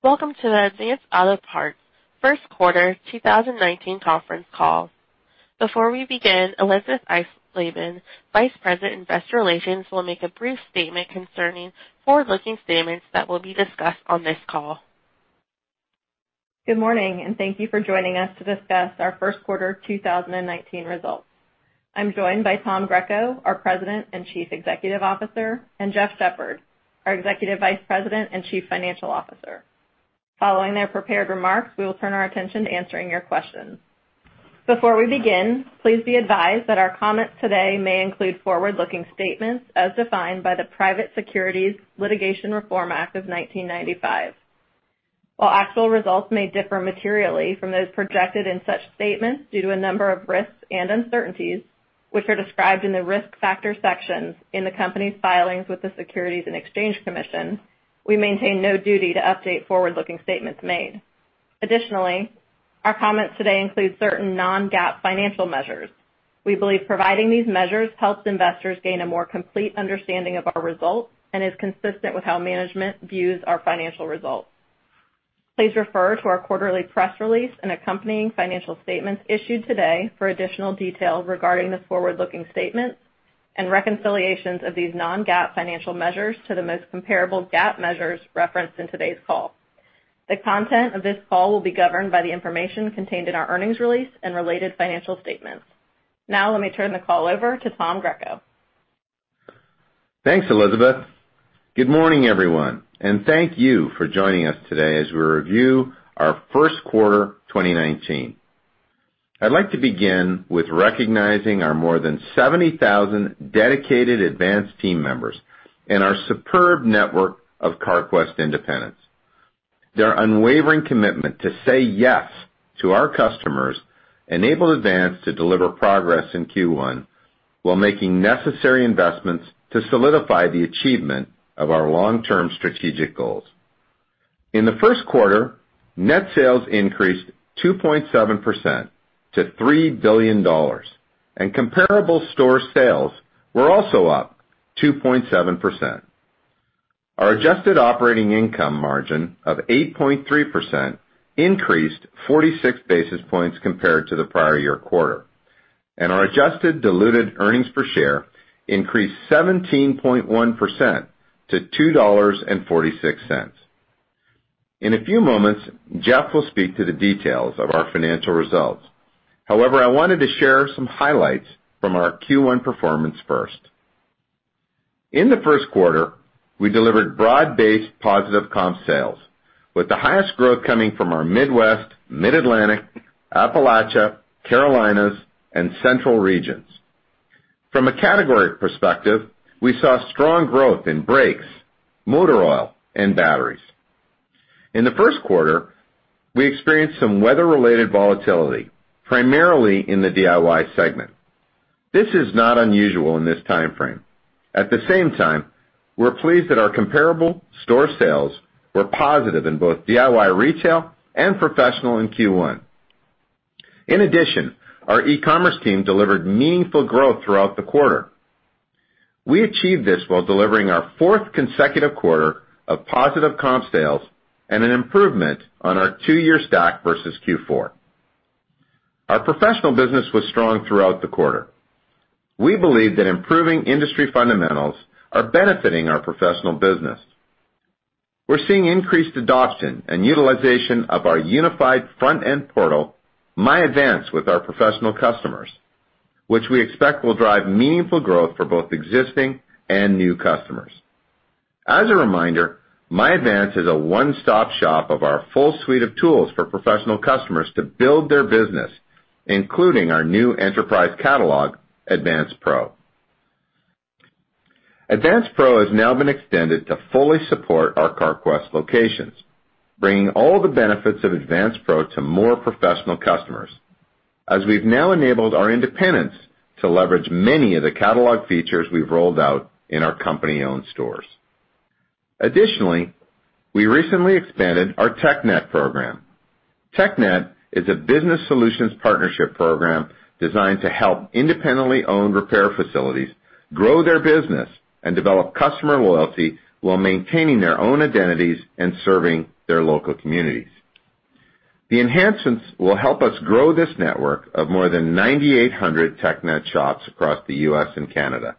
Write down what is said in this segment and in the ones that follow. Welcome to the Advance Auto Parts first quarter 2019 conference call. Before we begin, Elisabeth Eisleben, Vice President, Investor Relations, will make a brief statement concerning forward-looking statements that will be discussed on this call. Good morning. Thank you for joining us to discuss our first quarter 2019 results. I'm joined by Tom Greco, our President and Chief Executive Officer, and Jeff Shepherd, our Executive Vice President and Chief Financial Officer. Following their prepared remarks, we will turn our attention to answering your questions. Before we begin, please be advised that our comments today may include forward-looking statements as defined by the Private Securities Litigation Reform Act of 1995. While actual results may differ materially from those projected in such statements due to a number of risks and uncertainties, which are described in the Risk Factor sections in the company's filings with the Securities and Exchange Commission, we maintain no duty to update forward-looking statements made. Additionally, our comments today include certain non-GAAP financial measures. We believe providing these measures helps investors gain a more complete understanding of our results and is consistent with how management views our financial results. Please refer to our quarterly press release and accompanying financial statements issued today for additional detail regarding the forward-looking statements and reconciliations of these non-GAAP financial measures to the most comparable GAAP measures referenced in today's call. The content of this call will be governed by the information contained in our earnings release and related financial statements. Let me turn the call over to Tom Greco. Thanks, Elisabeth. Good morning, everyone. Thank you for joining us today as we review our first quarter 2019. I'd like to begin with recognizing our more than 70,000 dedicated Advance team members and our superb network of Carquest independents. Their unwavering commitment to say yes to our customers enabled Advance to deliver progress in Q1 while making necessary investments to solidify the achievement of our long-term strategic goals. In the first quarter, net sales increased 2.7% to $3 billion, and comparable store sales were also up 2.7%. Our adjusted operating income margin of 8.3% increased 46 basis points compared to the prior year quarter. Our adjusted diluted earnings per share increased 17.1% to $2.46. In a few moments, Jeff will speak to the details of our financial results. I wanted to share some highlights from our Q1 performance first. In the first quarter, we delivered broad-based positive comp sales, with the highest growth coming from our Midwest, Mid-Atlantic, Appalachia, Carolinas, and Central regions. From a category perspective, we saw strong growth in brakes, motor oil, and batteries. In the first quarter, we experienced some weather-related volatility, primarily in the DIY segment. This is not unusual in this timeframe. At the same time, we're pleased that our comparable store sales were positive in both DIY retail and professional in Q1. In addition, our e-commerce team delivered meaningful growth throughout the quarter. We achieved this while delivering our fourth consecutive quarter of positive comp sales and an improvement on our two-year stack versus Q4. Our professional business was strong throughout the quarter. We believe that improving industry fundamentals are benefiting our professional business. We're seeing increased adoption and utilization of our unified front-end portal, myAdvance, with our professional customers, which we expect will drive meaningful growth for both existing and new customers. As a reminder, myAdvance is a one-stop shop of our full suite of tools for professional customers to build their business, including our new enterprise catalog, Advance Pro. Advance Pro has now been extended to fully support our Carquest locations, bringing all the benefits of Advance Pro to more professional customers, as we've now enabled our independents to leverage many of the catalog features we've rolled out in our company-owned stores. We recently expanded our TechNet program. TechNet is a business solutions partnership program designed to help independently owned repair facilities grow their business and develop customer loyalty while maintaining their own identities and serving their local communities. The enhancements will help us grow this network of more than 9,800 TechNet shops across the U.S. and Canada.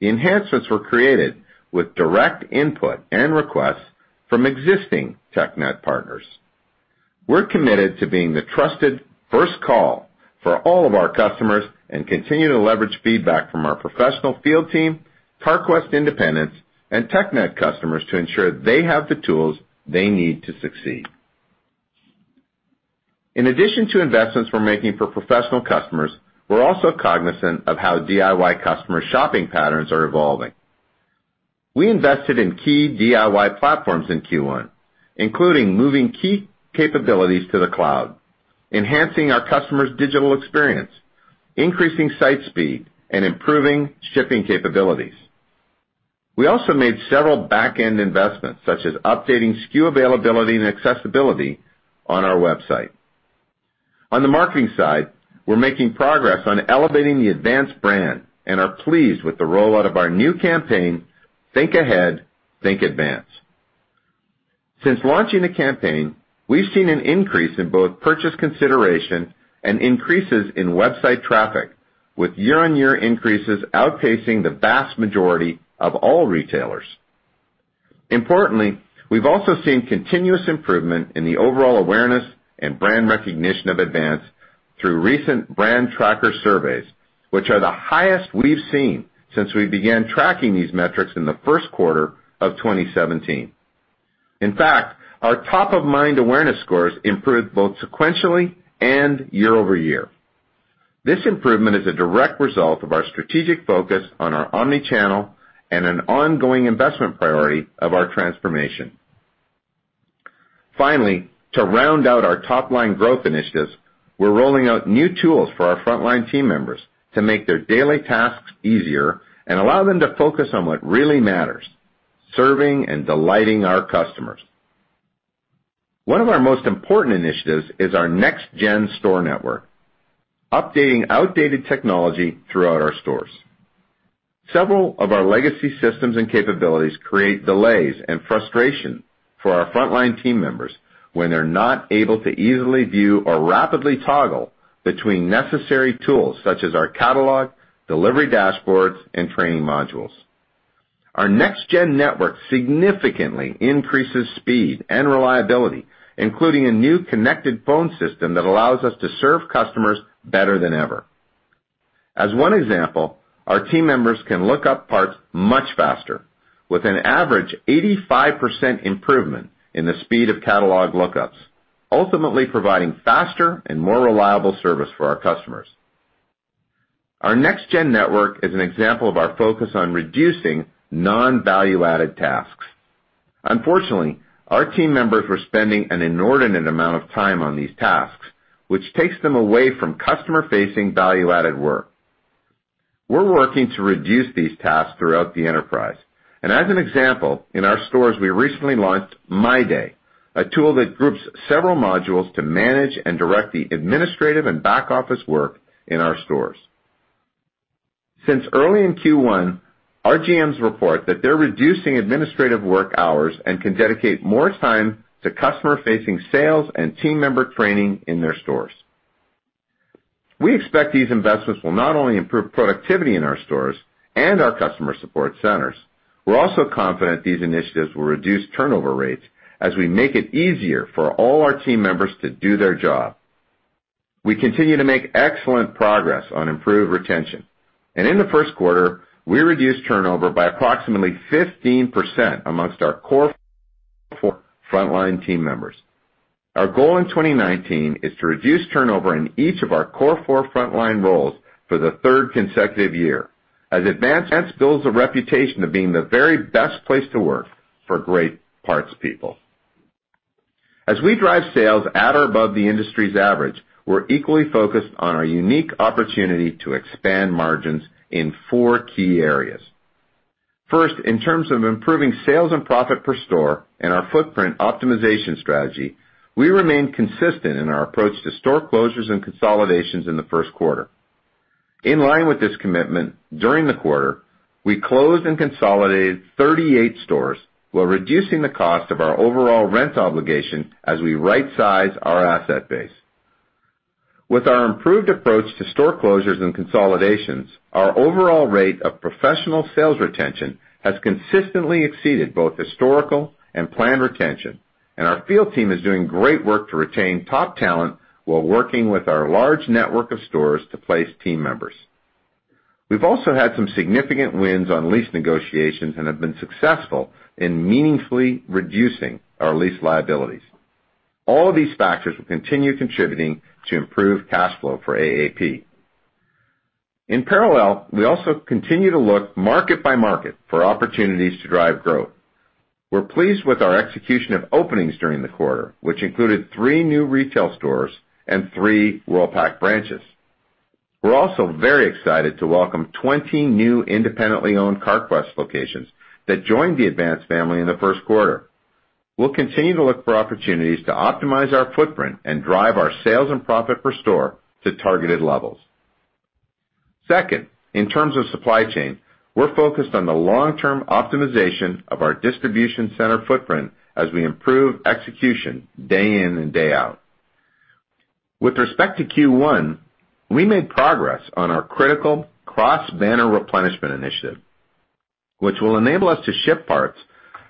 The enhancements were created with direct input and requests from existing TechNet partners. We're committed to being the trusted first call for all of our customers and continue to leverage feedback from our professional field team, Carquest independents, and TechNet customers to ensure they have the tools they need to succeed. Investments we're making for professional customers, we're also cognizant of how DIY customer shopping patterns are evolving. We invested in key DIY platforms in Q1, including moving key capabilities to the cloud, enhancing our customers' digital experience, increasing site speed, and improving shipping capabilities. We also made several back-end investments, such as updating SKU availability and accessibility on our website. On the marketing side, we're making progress on elevating the Advance brand and are pleased with the rollout of our new campaign, Think Ahead. Think Advance. Since launching the campaign, we've seen an increase in both purchase consideration and increases in website traffic with year-on-year increases outpacing the vast majority of all retailers. We've also seen continuous improvement in the overall awareness and brand recognition of Advance through recent brand tracker surveys, which are the highest we've seen since we began tracking these metrics in the first quarter of 2017. Our top-of-mind awareness scores improved both sequentially and year-over-year. This improvement is a direct result of our strategic focus on our omni-channel and an ongoing investment priority of our transformation. Finally, to round out our top-line growth initiatives, we're rolling out new tools for our frontline team members to make their daily tasks easier and allow them to focus on what really matters, serving and delighting our customers. One of our most important initiatives is our next-gen store network, updating outdated technology throughout our stores. Several of our legacy systems and capabilities create delays and frustration for our frontline team members when they're not able to easily view or rapidly toggle between necessary tools such as our catalog, delivery dashboards, and training modules. Our next-gen network significantly increases speed and reliability, including a new connected phone system that allows us to serve customers better than ever. As one example, our team members can look up parts much faster with an average 85% improvement in the speed of catalog lookups, ultimately providing faster and more reliable service for our customers. Our next-gen network is an example of our focus on reducing non-value-added tasks. Unfortunately, our team members were spending an inordinate amount of time on these tasks, which takes them away from customer-facing, value-added work. We're working to reduce these tasks throughout the enterprise, and as an example, in our stores, we recently launched My Day, a tool that groups several modules to manage and direct the administrative and back-office work in our stores. Since early in Q1, our GMs report that they're reducing administrative work hours and can dedicate more time to customer-facing sales and team member training in their stores. We expect these investments will not only improve productivity in our stores and our customer support centers, we're also confident these initiatives will reduce turnover rates as we make it easier for all our team members to do their job. We continue to make excellent progress on improved retention. In the first quarter, we reduced turnover by approximately 15% amongst our Core Four frontline team members. Our goal in 2019 is to reduce turnover in each of our Core Four frontline roles for the third consecutive year as Advance builds a reputation of being the very best place to work for great parts people. As we drive sales at or above the industry's average, we're equally focused on our unique opportunity to expand margins in four key areas. First, in terms of improving sales and profit per store and our footprint optimization strategy, we remain consistent in our approach to store closures and consolidations in the first quarter. In line with this commitment, during the quarter, we closed and consolidated 38 stores while reducing the cost of our overall rent obligation as we rightsize our asset base. With our improved approach to store closures and consolidations, our overall rate of professional sales retention has consistently exceeded both historical and planned retention. Our field team is doing great work to retain top talent while working with our large network of stores to place team members. We've also had some significant wins on lease negotiations and have been successful in meaningfully reducing our lease liabilities. All of these factors will continue contributing to improved cash flow for AAP. In parallel, we also continue to look market by market for opportunities to drive growth. We're pleased with our execution of openings during the quarter, which included three new retail stores and three Worldpac branches. We're also very excited to welcome 20 new independently-owned Carquest locations that joined the Advance family in the first quarter. We'll continue to look for opportunities to optimize our footprint and drive our sales and profit per store to targeted levels. Second, in terms of supply chain, we're focused on the long-term optimization of our distribution center footprint as we improve execution day in and day out. With respect to Q1, we made progress on our critical cross-banner replenishment initiative, which will enable us to ship parts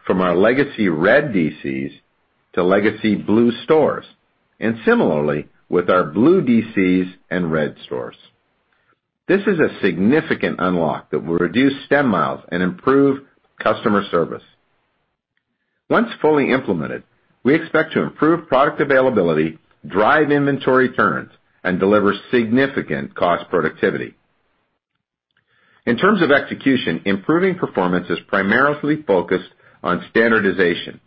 from our legacy red DCs to legacy blue stores, and similarly with our blue DCs and red stores. This is a significant unlock that will reduce stem miles and improve customer service. Once fully implemented, we expect to improve product availability, drive inventory turns, and deliver significant cost productivity. In terms of execution, improving performance is primarily focused on standardization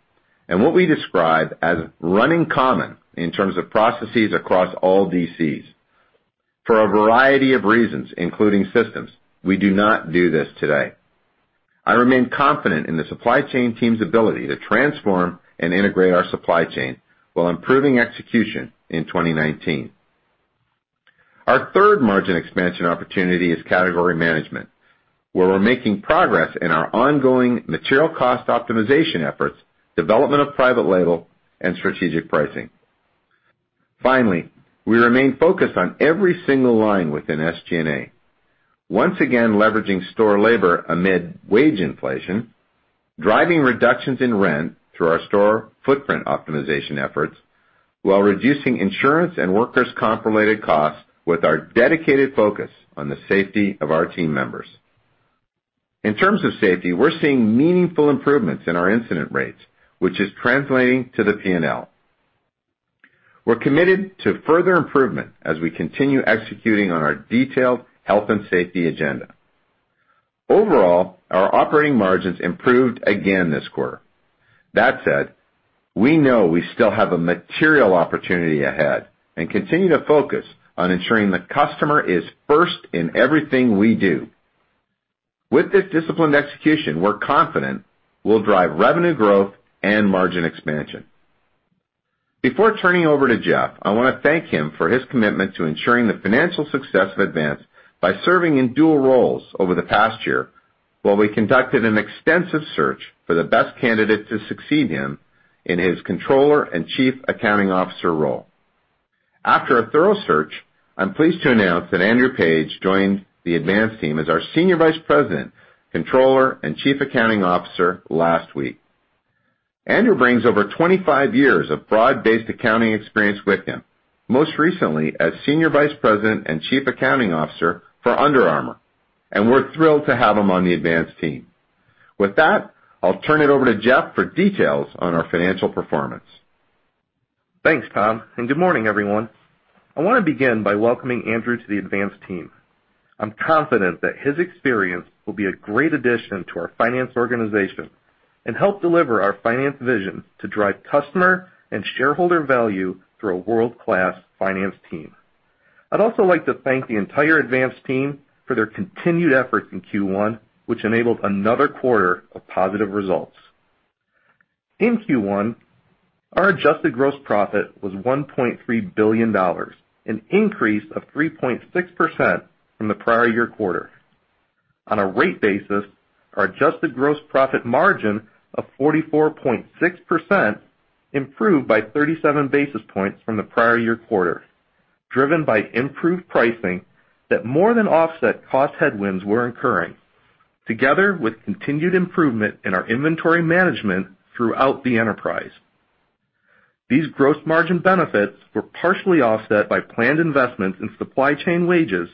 and what we describe as running common in terms of processes across all DCs. For a variety of reasons, including systems, we do not do this today. I remain confident in the supply chain team's ability to transform and integrate our supply chain while improving execution in 2019. Our third margin expansion opportunity is category management, where we're making progress in our ongoing material cost optimization efforts, development of private label, and strategic pricing. Finally, we remain focused on every single line within SG&A. Once again, leveraging store labor amid wage inflation, driving reductions in rent through our store footprint optimization efforts, while reducing insurance and workers' comp related costs with our dedicated focus on the safety of our team members. In terms of safety, we're seeing meaningful improvements in our incident rates, which is translating to the P&L. We're committed to further improvement as we continue executing on our detailed health and safety agenda. Overall, our operating margins improved again this quarter. That said, we know we still have a material opportunity ahead and continue to focus on ensuring the customer is first in everything we do. With this disciplined execution, we're confident we'll drive revenue growth and margin expansion. Before turning over to Jeff, I want to thank him for his commitment to ensuring the financial success of Advance by serving in dual roles over the past year, while we conducted an extensive search for the best candidate to succeed him in his Controller and Chief Accounting Officer role. After a thorough search, I'm pleased to announce that Andrew Page joined the Advance team as our Senior Vice President, Controller, and Chief Accounting Officer last week. Andrew brings over 25 years of broad-based accounting experience with him, most recently as Senior Vice President and Chief Accounting Officer for Under Armour, and we're thrilled to have him on the Advance team. With that, I'll turn it over to Jeff for details on our financial performance. Thanks, Tom, and good morning, everyone. I want to begin by welcoming Andrew to the Advance team. I'm confident that his experience will be a great addition to our finance organization and help deliver our finance vision to drive customer and shareholder value through a world-class finance team. I'd also like to thank the entire Advance team for their continued efforts in Q1, which enabled another quarter of positive results. In Q1, our adjusted gross profit was $1.3 billion, an increase of 3.6% from the prior year quarter. On a rate basis, our adjusted gross profit margin of 44.6% improved by 37 basis points from the prior year quarter, driven by improved pricing that more than offset cost headwinds we're incurring, together with continued improvement in our inventory management throughout the enterprise. These gross margin benefits were partially offset by planned investments in supply chain wages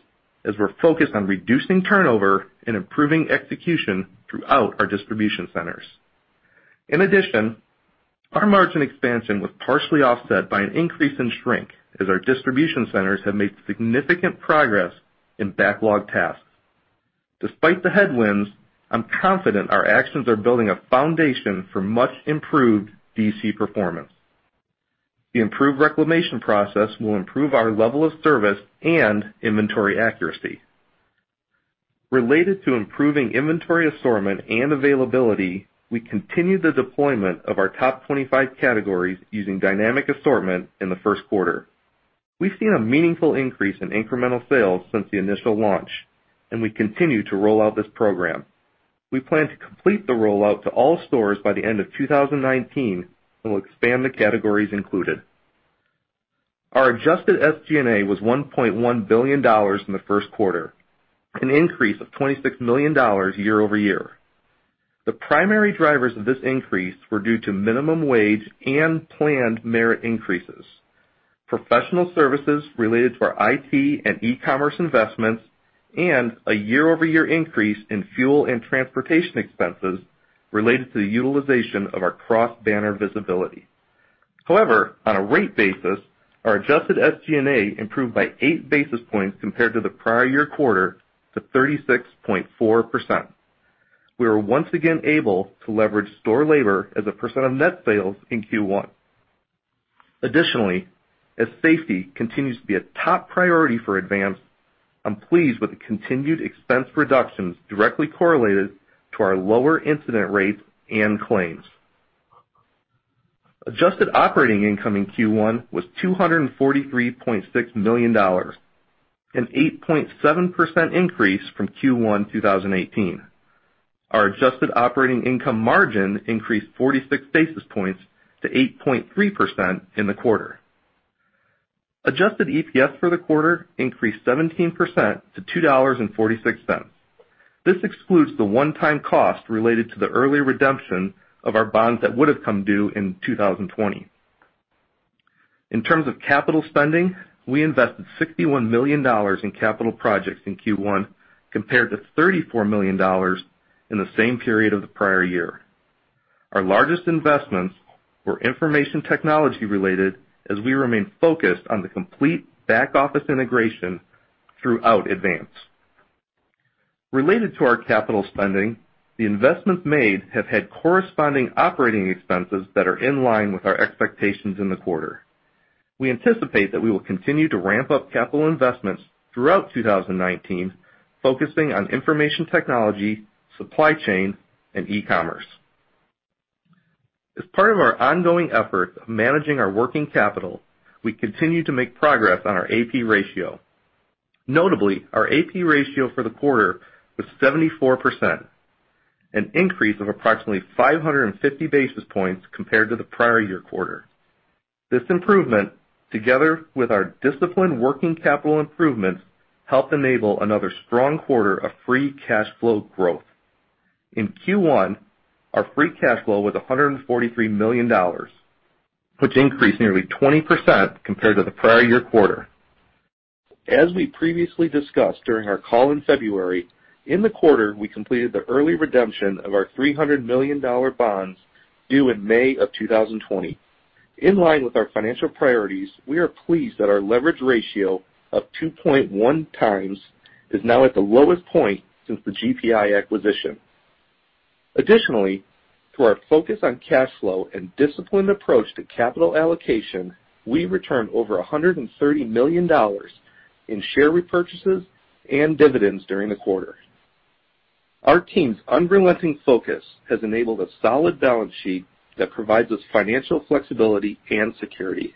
as we're focused on reducing turnover and improving execution throughout our distribution centers. In addition, our margin expansion was partially offset by an increase in shrink as our distribution centers have made significant progress in backlog tasks. Despite the headwinds, I'm confident our actions are building a foundation for much improved DC performance. The improved reclamation process will improve our level of service and inventory accuracy. Related to improving inventory assortment and availability, we continued the deployment of our top 25 categories using dynamic assortment in the first quarter. We've seen a meaningful increase in incremental sales since the initial launch, and we continue to roll out this program. We plan to complete the rollout to all stores by the end of 2019 and will expand the categories included. Our adjusted SG&A was $1.1 billion in the first quarter, an increase of $26 million year-over-year. The primary drivers of this increase were due to minimum wage and planned merit increases, professional services related to our IT and e-commerce investments, and a year-over-year increase in fuel and transportation expenses related to the utilization of our cross-banner visibility. However, on a rate basis, our adjusted SG&A improved by eight basis points compared to the prior year quarter to 36.4%. We were once again able to leverage store labor as a percent of net sales in Q1. Additionally, as safety continues to be a top priority for Advance, I'm pleased with the continued expense reductions directly correlated to our lower incident rates and claims. Adjusted operating income in Q1 was $243.6 million, an 8.7% increase from Q1 2018. Our adjusted operating income margin increased 46 basis points to 8.3% in the quarter. Adjusted EPS for the quarter increased 17% to $2.46. This excludes the one-time cost related to the early redemption of our bonds that would have come due in 2020. In terms of capital spending, we invested $61 million in capital projects in Q1 compared to $34 million in the same period of the prior year. Our largest investments were information technology-related as we remain focused on the complete back-office integration throughout Advance. Related to our capital spending, the investments made have had corresponding operating expenses that are in line with our expectations in the quarter. We anticipate that we will continue to ramp up capital investments throughout 2019, focusing on information technology, supply chain, and e-commerce. As part of our ongoing efforts of managing our working capital, we continue to make progress on our AP ratio. Notably, our AP ratio for the quarter was 74%, an increase of approximately 550 basis points compared to the prior year quarter. This improvement, together with our disciplined working capital improvements, helped enable another strong quarter of free cash flow growth. In Q1, our free cash flow was $143 million, which increased nearly 20% compared to the prior year quarter. As we previously discussed during our call in February, in the quarter, we completed the early redemption of our $300 million bonds due in May of 2020. In line with our financial priorities, we are pleased that our leverage ratio of 2.1 times is now at the lowest point since the GPI acquisition. Through our focus on cash flow and disciplined approach to capital allocation, we returned over $130 million in share repurchases and dividends during the quarter. Our team's unrelenting focus has enabled a solid balance sheet that provides us financial flexibility and security.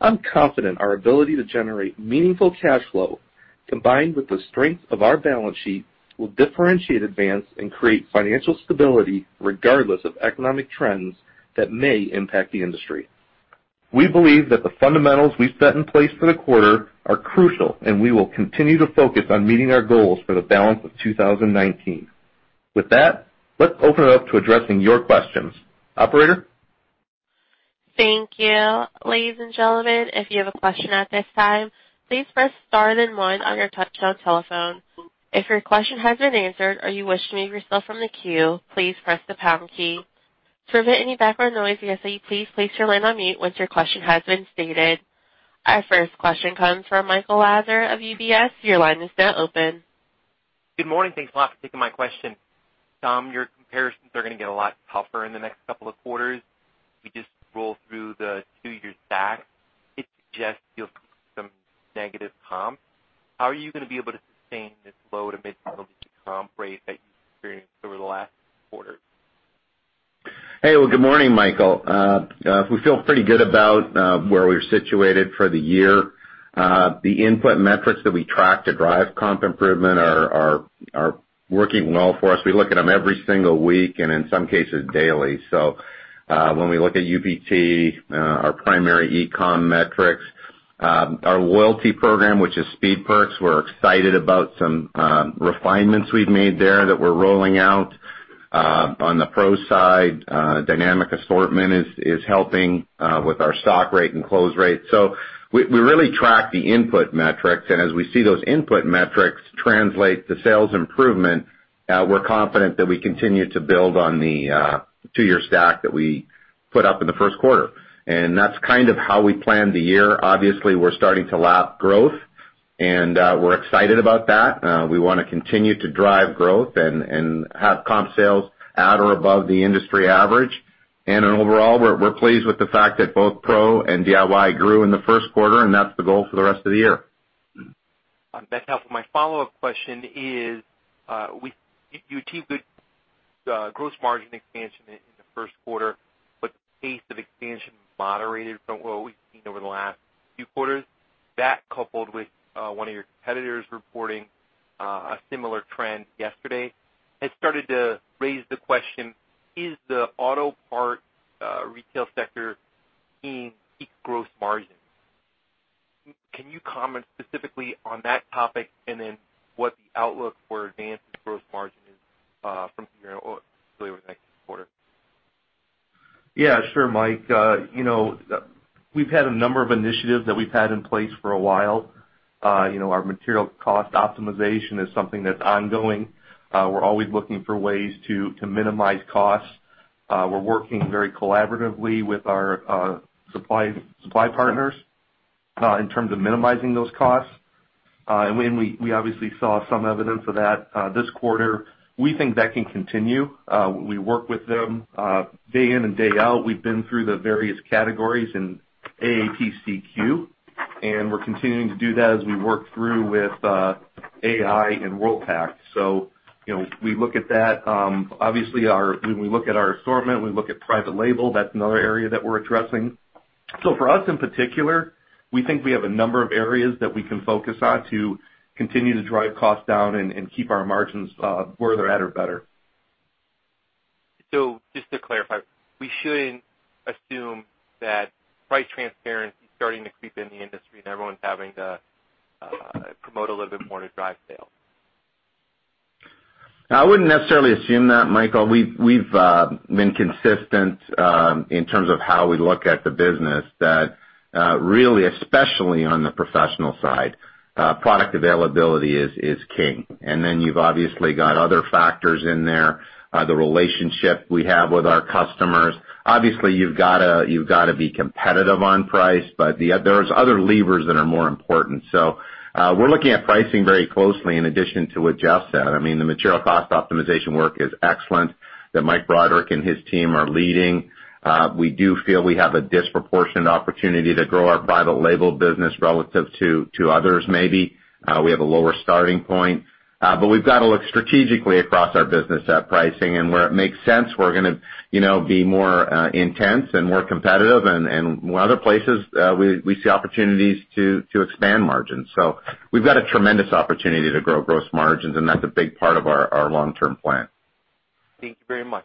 I'm confident our ability to generate meaningful cash flow, combined with the strength of our balance sheet, will differentiate Advance and create financial stability regardless of economic trends that may impact the industry. We believe that the fundamentals we've set in place for the quarter are crucial. We will continue to focus on meeting our goals for the balance of 2019. Let's open it up to addressing your questions. Operator? Thank you. Ladies and gentlemen, if you have a question at this time, please press star then one on your touch-tone telephone. If your question has been answered or you wish to remove yourself from the queue, please press the pound key. To prevent any background noise, we ask that you please place your line on mute once your question has been stated. Our first question comes from Michael Lasser of UBS. Your line is now open. Good morning. Thanks a lot for taking my question. Tom, your comparisons are going to get a lot tougher in the next couple of quarters. We just roll through the two years back, it suggests you'll see some negative comps. How are you going to be able to sustain this low- to mid-single comp rate that you've experienced over the last quarter? Hey, well, good morning, Michael. We feel pretty good about where we're situated for the year. The input metrics that we track to drive comp improvement are working well for us. We look at them every single week and, in some cases, daily. When we look at UPT, our primary e-com metrics, our loyalty program, which is Speed Perks, we're excited about some refinements we've made there that we're rolling out. On the pro side, dynamic assortment is helping with our stock rate and close rate. We really track the input metrics, and as we see those input metrics translate to sales improvement, we're confident that we continue to build on the 2-year stack that we put up in the first quarter. That's kind of how we planned the year. Obviously, we're starting to lap growth, and we're excited about that. We want to continue to drive growth and have comp sales at or above the industry average. Then overall, we're pleased with the fact that both pro and DIY grew in the first quarter, and that's the goal for the rest of the year. On that note, my follow-up question is, you achieved good gross margin expansion in the first quarter, but the pace of expansion moderated from what we've seen over the last few quarters. That, coupled with one of your competitors reporting a similar trend yesterday, has started to raise the question: Is the auto parts retail sector seeing peak gross margin? Can you comment specifically on that topic and then what the outlook for Advance's gross margin is from here on, especially over the next quarter? Yeah, sure, Mike. We've had a number of initiatives that we've had in place for a while. Our material cost optimization is something that's ongoing. We're always looking for ways to minimize costs. We're working very collaboratively with our supply partners in terms of minimizing those costs. We obviously saw some evidence of that this quarter. We think that can continue. We work with them day in and day out. We've been through the various categories in AAP-CQ, and we're continuing to do that as we work through with Autopart International and Worldpac. We look at that. Obviously, when we look at our assortment, we look at private label. That's another area that we're addressing. For us, in particular, we think we have a number of areas that we can focus on to continue to drive costs down and keep our margins where they're at or better. Just to clarify, we shouldn't assume that price transparency is starting to creep in the industry and everyone's having to promote a little bit more to drive sales. I wouldn't necessarily assume that, Michael. We've been consistent in terms of how we look at the business that really, especially on the professional side, product availability is king. Then you've obviously got other factors in there. The relationship we have with our customers. Obviously, you've got to be competitive on price, there's other levers that are more important. We're looking at pricing very closely in addition to what Jeff said. I mean, the material cost optimization work is excellent that Mike Broderick and his team are leading. We do feel we have a disproportionate opportunity to grow our private label business relative to others, maybe. We have a lower starting point, we've got to look strategically across our business at pricing and where it makes sense, we're going to be more intense and more competitive and in other places, we see opportunities to expand margins. We've got a tremendous opportunity to grow gross margins, and that's a big part of our long-term plan. Thank you very much.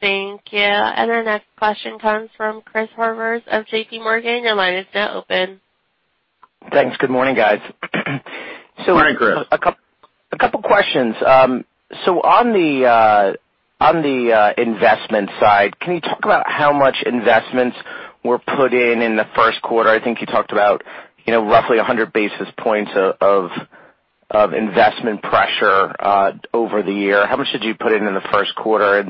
Thank you. Our next question comes from Christopher Horvers of JPMorgan. Your line is now open. Thanks. Good morning, guys. Morning, Chris. A couple questions. On the investment side, can you talk about how much investments were put in the first quarter? I think you talked about roughly 100 basis points of investment pressure over the year. How much did you put in the first quarter?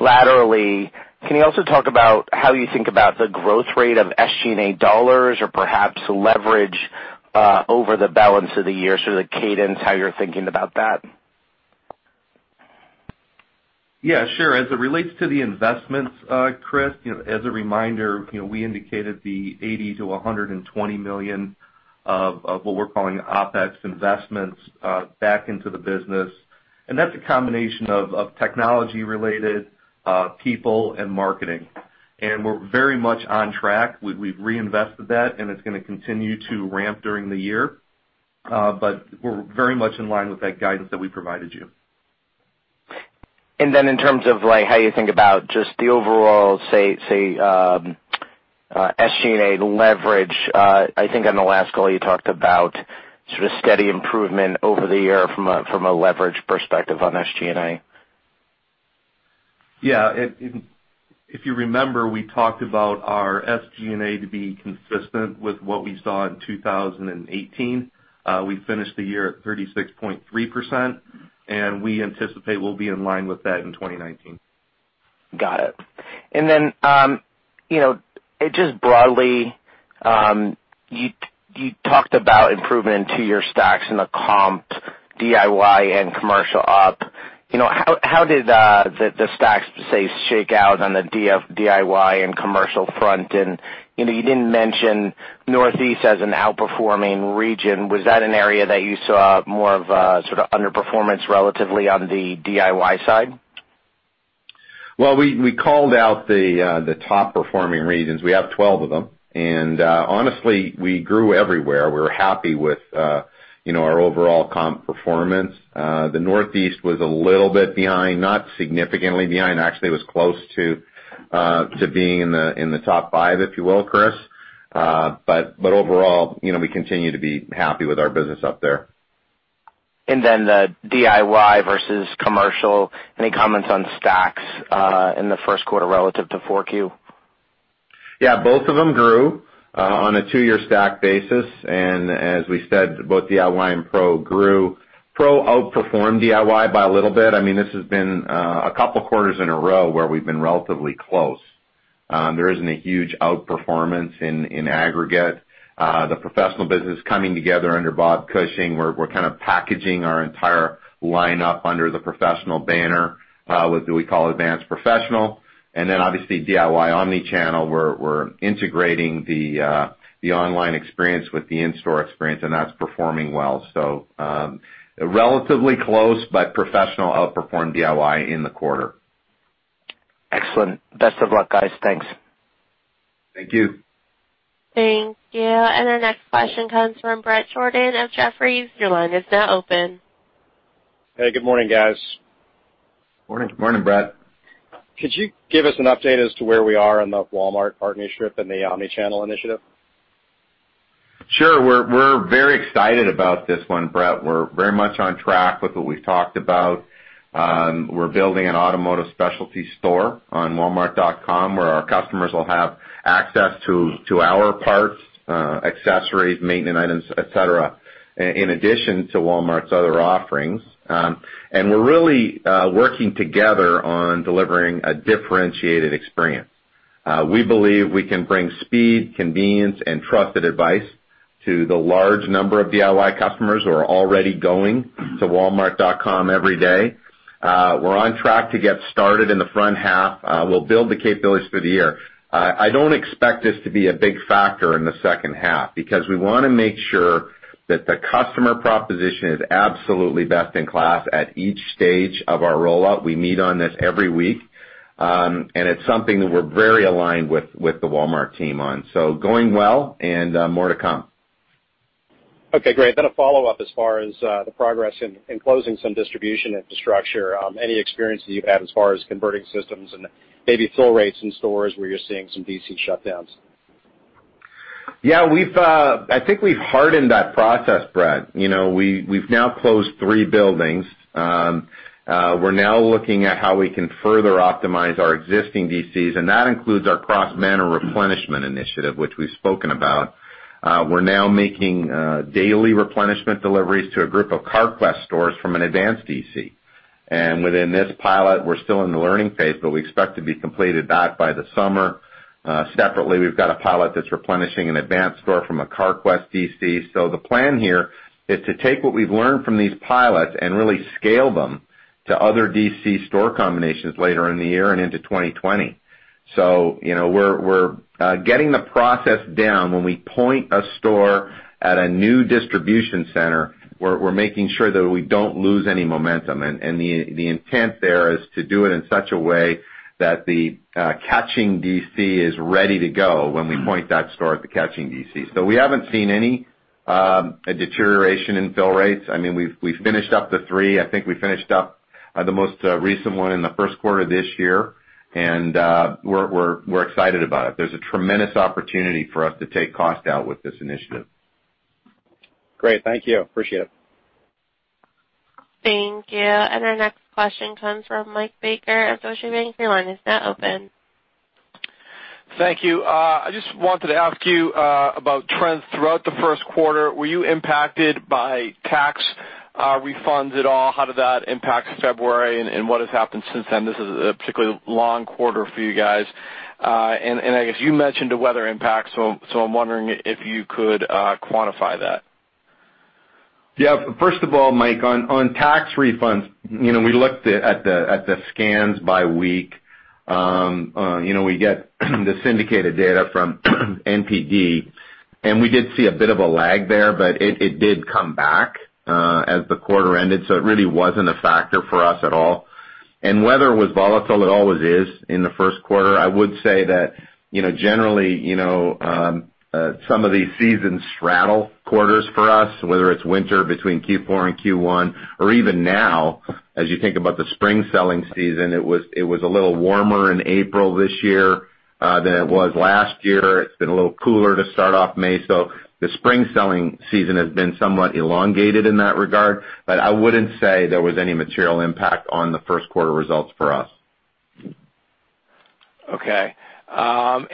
Laterally, can you also talk about how you think about the growth rate of SG&A dollars or perhaps leverage over the balance of the year, sort of the cadence, how you're thinking about that? Sure. As it relates to the investments, Chris, as a reminder, we indicated the $80 million-$120 million of what we're calling OpEx investments back into the business. That's a combination of technology related people and marketing. We're very much on track. We've reinvested that, and it's going to continue to ramp during the year. We're very much in line with that guidance that we provided you. In terms of how you think about just the overall, say, SG&A leverage. I think on the last call, you talked about sort of steady improvement over the year from a leverage perspective on SG&A. Yeah. If you remember, we talked about our SG&A to be consistent with what we saw in 2018. We finished the year at 36.3%. We anticipate we'll be in line with that in 2019. Got it. Just broadly, you talked about improvement in two-year stacks in the comp DIY and commercial op. How did the stacks, say, shake out on the DIY and commercial front? You didn't mention Northeast as an outperforming region. Was that an area that you saw more of sort of underperformance relatively on the DIY side? Well, we called out the top-performing regions. We have 12 of them. Honestly, we grew everywhere. We're happy with our overall comp performance. The Northeast was a little bit behind, not significantly behind, actually, it was close to being in the top 5, if you will, Chris. Overall, we continue to be happy with our business up there. DIY versus commercial, any comments on stacks in the first quarter relative to 4Q? Yeah, both of them grew on a two-year stack basis. As we said, both DIY and Pro grew. Pro outperformed DIY by a little bit. This has been a couple of quarters in a row where we've been relatively close. There isn't a huge outperformance in aggregate. The professional business coming together under Bob Cushing. We're kind of packaging our entire lineup under the professional banner, what do we call Advance Professional. Obviously DIY omni-channel, we're integrating the online experience with the in-store experience, and that's performing well. Relatively close, but professional outperformed DIY in the quarter. Excellent. Best of luck, guys. Thanks. Thank you. Thank you. Our next question comes from Bret Jordan of Jefferies. Your line is now open. Hey, good morning, guys. Morning. Morning, Bret. Could you give us an update as to where we are on the Walmart partnership and the omni-channel initiative? Sure. We're very excited about this one, Bret. We're very much on track with what we've talked about. We're building an automotive specialty store on walmart.com, where our customers will have access to our parts, accessories, maintenance items, et cetera, in addition to Walmart's other offerings. We're really working together on delivering a differentiated experience. We believe we can bring speed, convenience, and trusted advice to the large number of DIY customers who are already going to walmart.com every day. We're on track to get started in the front half. We'll build the capabilities through the year. I don't expect this to be a big factor in the second half because we want to make sure that the customer proposition is absolutely best in class at each stage of our rollout. We meet on this every week. It's something that we're very aligned with the Walmart team on. Going well and more to come. Okay, great. A follow-up as far as the progress in closing some distribution infrastructure. Any experience that you've had as far as converting systems and maybe fill rates in stores where you're seeing some DC shutdowns? Yeah, I think we've hardened that process, Bret. We've now closed three buildings. We're now looking at how we can further optimize our existing DCs, and that includes our cross-banner replenishment initiative, which we've spoken about. We're now making daily replenishment deliveries to a group of Carquest stores from an Advance DC. Within this pilot, we're still in the learning phase, but we expect to be completed that by the summer. Separately, we've got a pilot that's replenishing an Advance store from a Carquest DC. The plan here is to take what we've learned from these pilots and really scale them to other DC store combinations later in the year and into 2020. We're getting the process down when we point a store at a new distribution center, we're making sure that we don't lose any momentum. The intent there is to do it in such a way that the catching DC is ready to go when we point that store at the catching DC. We haven't seen any deterioration in fill rates. We've finished up the three. I think we finished up the most recent one in the first quarter of this year, and we're excited about it. There's a tremendous opportunity for us to take cost out with this initiative. Great. Thank you. Appreciate it. Thank you. Our next question comes from Michael Baker of Deutsche Bank. Your line is now open. Thank you. I just wanted to ask you about trends throughout the first quarter. Were you impacted by tax refunds at all? How did that impact February, what has happened since then? This is a particularly long quarter for you guys. I guess you mentioned the weather impact, so I'm wondering if you could quantify that. First of all, Mike, on tax refunds, we looked at the scans by week. We get the syndicated data from The NPD Group, and we did see a bit of a lag there, but it did come back as the quarter ended, so it really wasn't a factor for us at all. Weather was volatile. It always is in the first quarter. I would say that, generally, some of these seasons straddle quarters for us, whether it's winter between Q4 and Q1, or even now as you think about the spring selling season, it was a little warmer in April this year, than it was last year. It's been a little cooler to start off May, so the spring selling season has been somewhat elongated in that regard, but I wouldn't say there was any material impact on the first quarter results for us.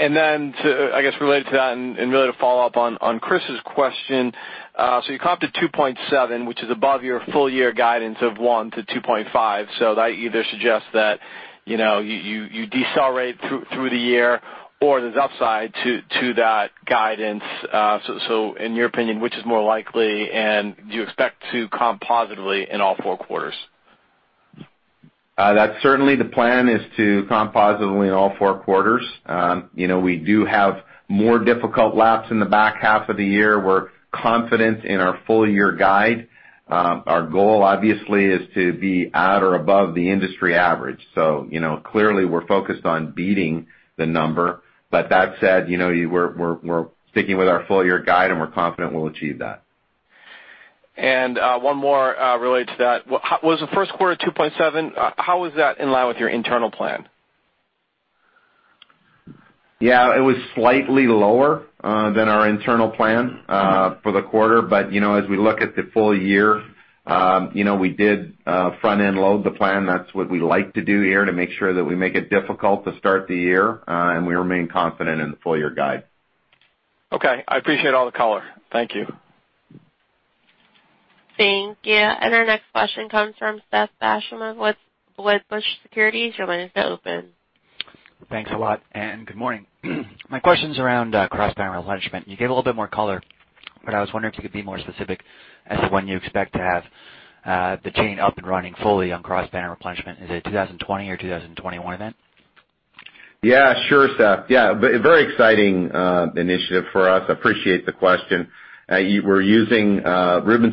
I guess related to that and related follow-up on Chris's question, you comped to 2.7%, which is above your full year guidance of 1%-2.5%. That either suggests that you decelerate through the year or there's upside to that guidance. In your opinion, which is more likely, and do you expect to comp positively in all four quarters? That's certainly the plan is to comp positively in all four quarters. We do have more difficult laps in the back half of the year. We're confident in our full year guide. Our goal obviously is to be at or above the industry average. Clearly we're focused on beating the number, that said, we're sticking with our full year guide, and we're confident we'll achieve that. One more related to that. Was the first quarter 2.7%, how was that in line with your internal plan? Yeah, it was slightly lower than our internal plan for the quarter. As we look at the full year, we did front-end load the plan. That's what we like to do here to make sure that we make it difficult to start the year, we remain confident in the full year guide. Okay. I appreciate all the color. Thank you. Thank you. Our next question comes from Seth Basham with Wedbush Securities. Your line is now open. Thanks a lot. Good morning. My question's around cross-banner replenishment. You gave a little bit more color, I was wondering if you could be more specific as to when you expect to have the chain up and running fully on cross-banner replenishment. Is it 2020 or 2021 event? Yeah. Sure, Seth. Very exciting initiative for us. Appreciate the question. Reuben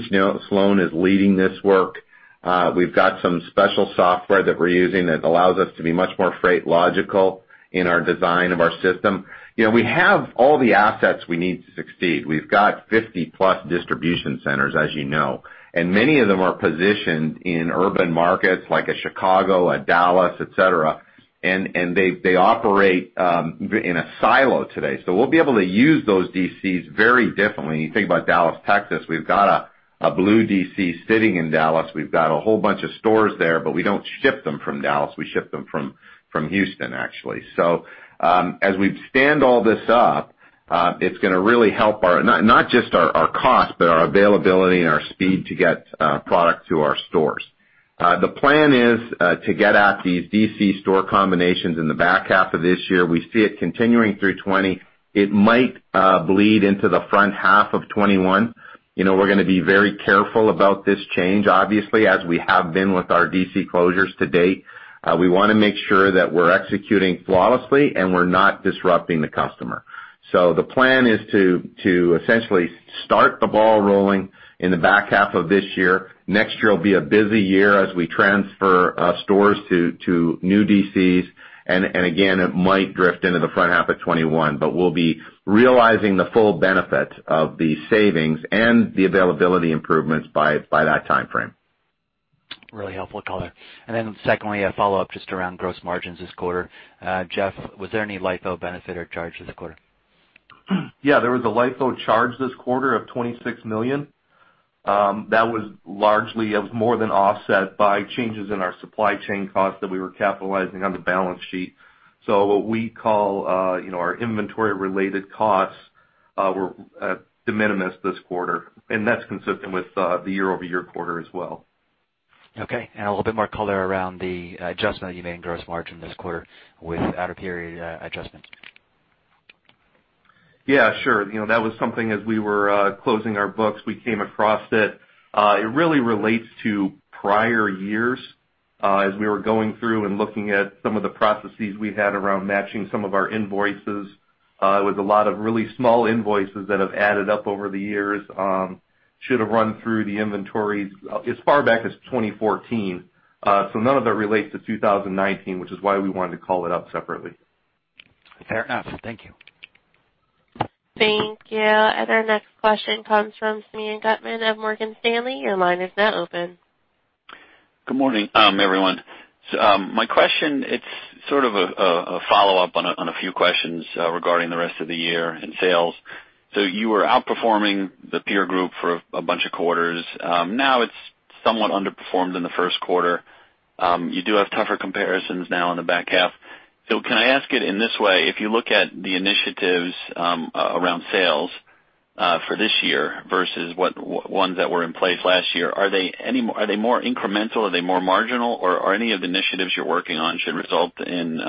Slone is leading this work. We’ve got some special software that we’re using that allows us to be much more freight logical in our design of our system. We have all the assets we need to succeed. We’ve got 50 plus distribution centers, as you know, and many of them are positioned in urban markets like a Chicago, a Dallas, et cetera. They operate in a silo today. We’ll be able to use those DCs very differently. When you think about Dallas, Texas, we’ve got a blue DC sitting in Dallas. We’ve got a whole bunch of stores there, but we don’t ship them from Dallas, we ship them from Houston, actually. As we stand all this up, it’s gonna really help not just our cost, but our availability and our speed to get product to our stores. The plan is to get at these DC store combinations in the back half of this year. We see it continuing through 2020. It might bleed into the front half of 2021. We’re gonna be very careful about this change, obviously, as we have been with our DC closures to date. We wanna make sure that we’re executing flawlessly and we’re not disrupting the customer. The plan is to essentially start the ball rolling in the back half of this year. Next year will be a busy year as we transfer stores to new DCs. Again, it might drift into the front half of 2021, but we’ll be realizing the full benefit of the savings and the availability improvements by that timeframe. Really helpful color. Secondly, a follow-up just around gross margins this quarter. Jeff, was there any LIFO benefit or charge this quarter? Yeah, there was a LIFO charge this quarter of $26 million. That was largely, it was more than offset by changes in our supply chain costs that we were capitalizing on the balance sheet. What we call our inventory related costs, were de minimis this quarter, and that's consistent with the year-over-year quarter as well. Okay. A little bit more color around the adjustment you made in gross margin this quarter with out-of-period adjustment. Yeah, sure. That was something as we were closing our books, we came across it. It really relates to prior years, as we were going through and looking at some of the processes we had around matching some of our invoices. It was a lot of really small invoices that have added up over the years, should've run through the inventories as far back as 2014. None of it relates to 2019, which is why we wanted to call it out separately. Fair enough. Thank you. Thank you. Our next question comes from Simeon Gutman of Morgan Stanley. Your line is now open. Good morning, everyone. My question, it's sort of a follow-up on a few questions regarding the rest of the year in sales. You were outperforming the peer group for a bunch of quarters. Now it's somewhat underperformed in the first quarter. You do have tougher comparisons now in the back half. Can I ask it in this way? If you look at the initiatives around sales for this year versus ones that were in place last year, are they more incremental? Are they more marginal? Or are any of the initiatives you're working on should result in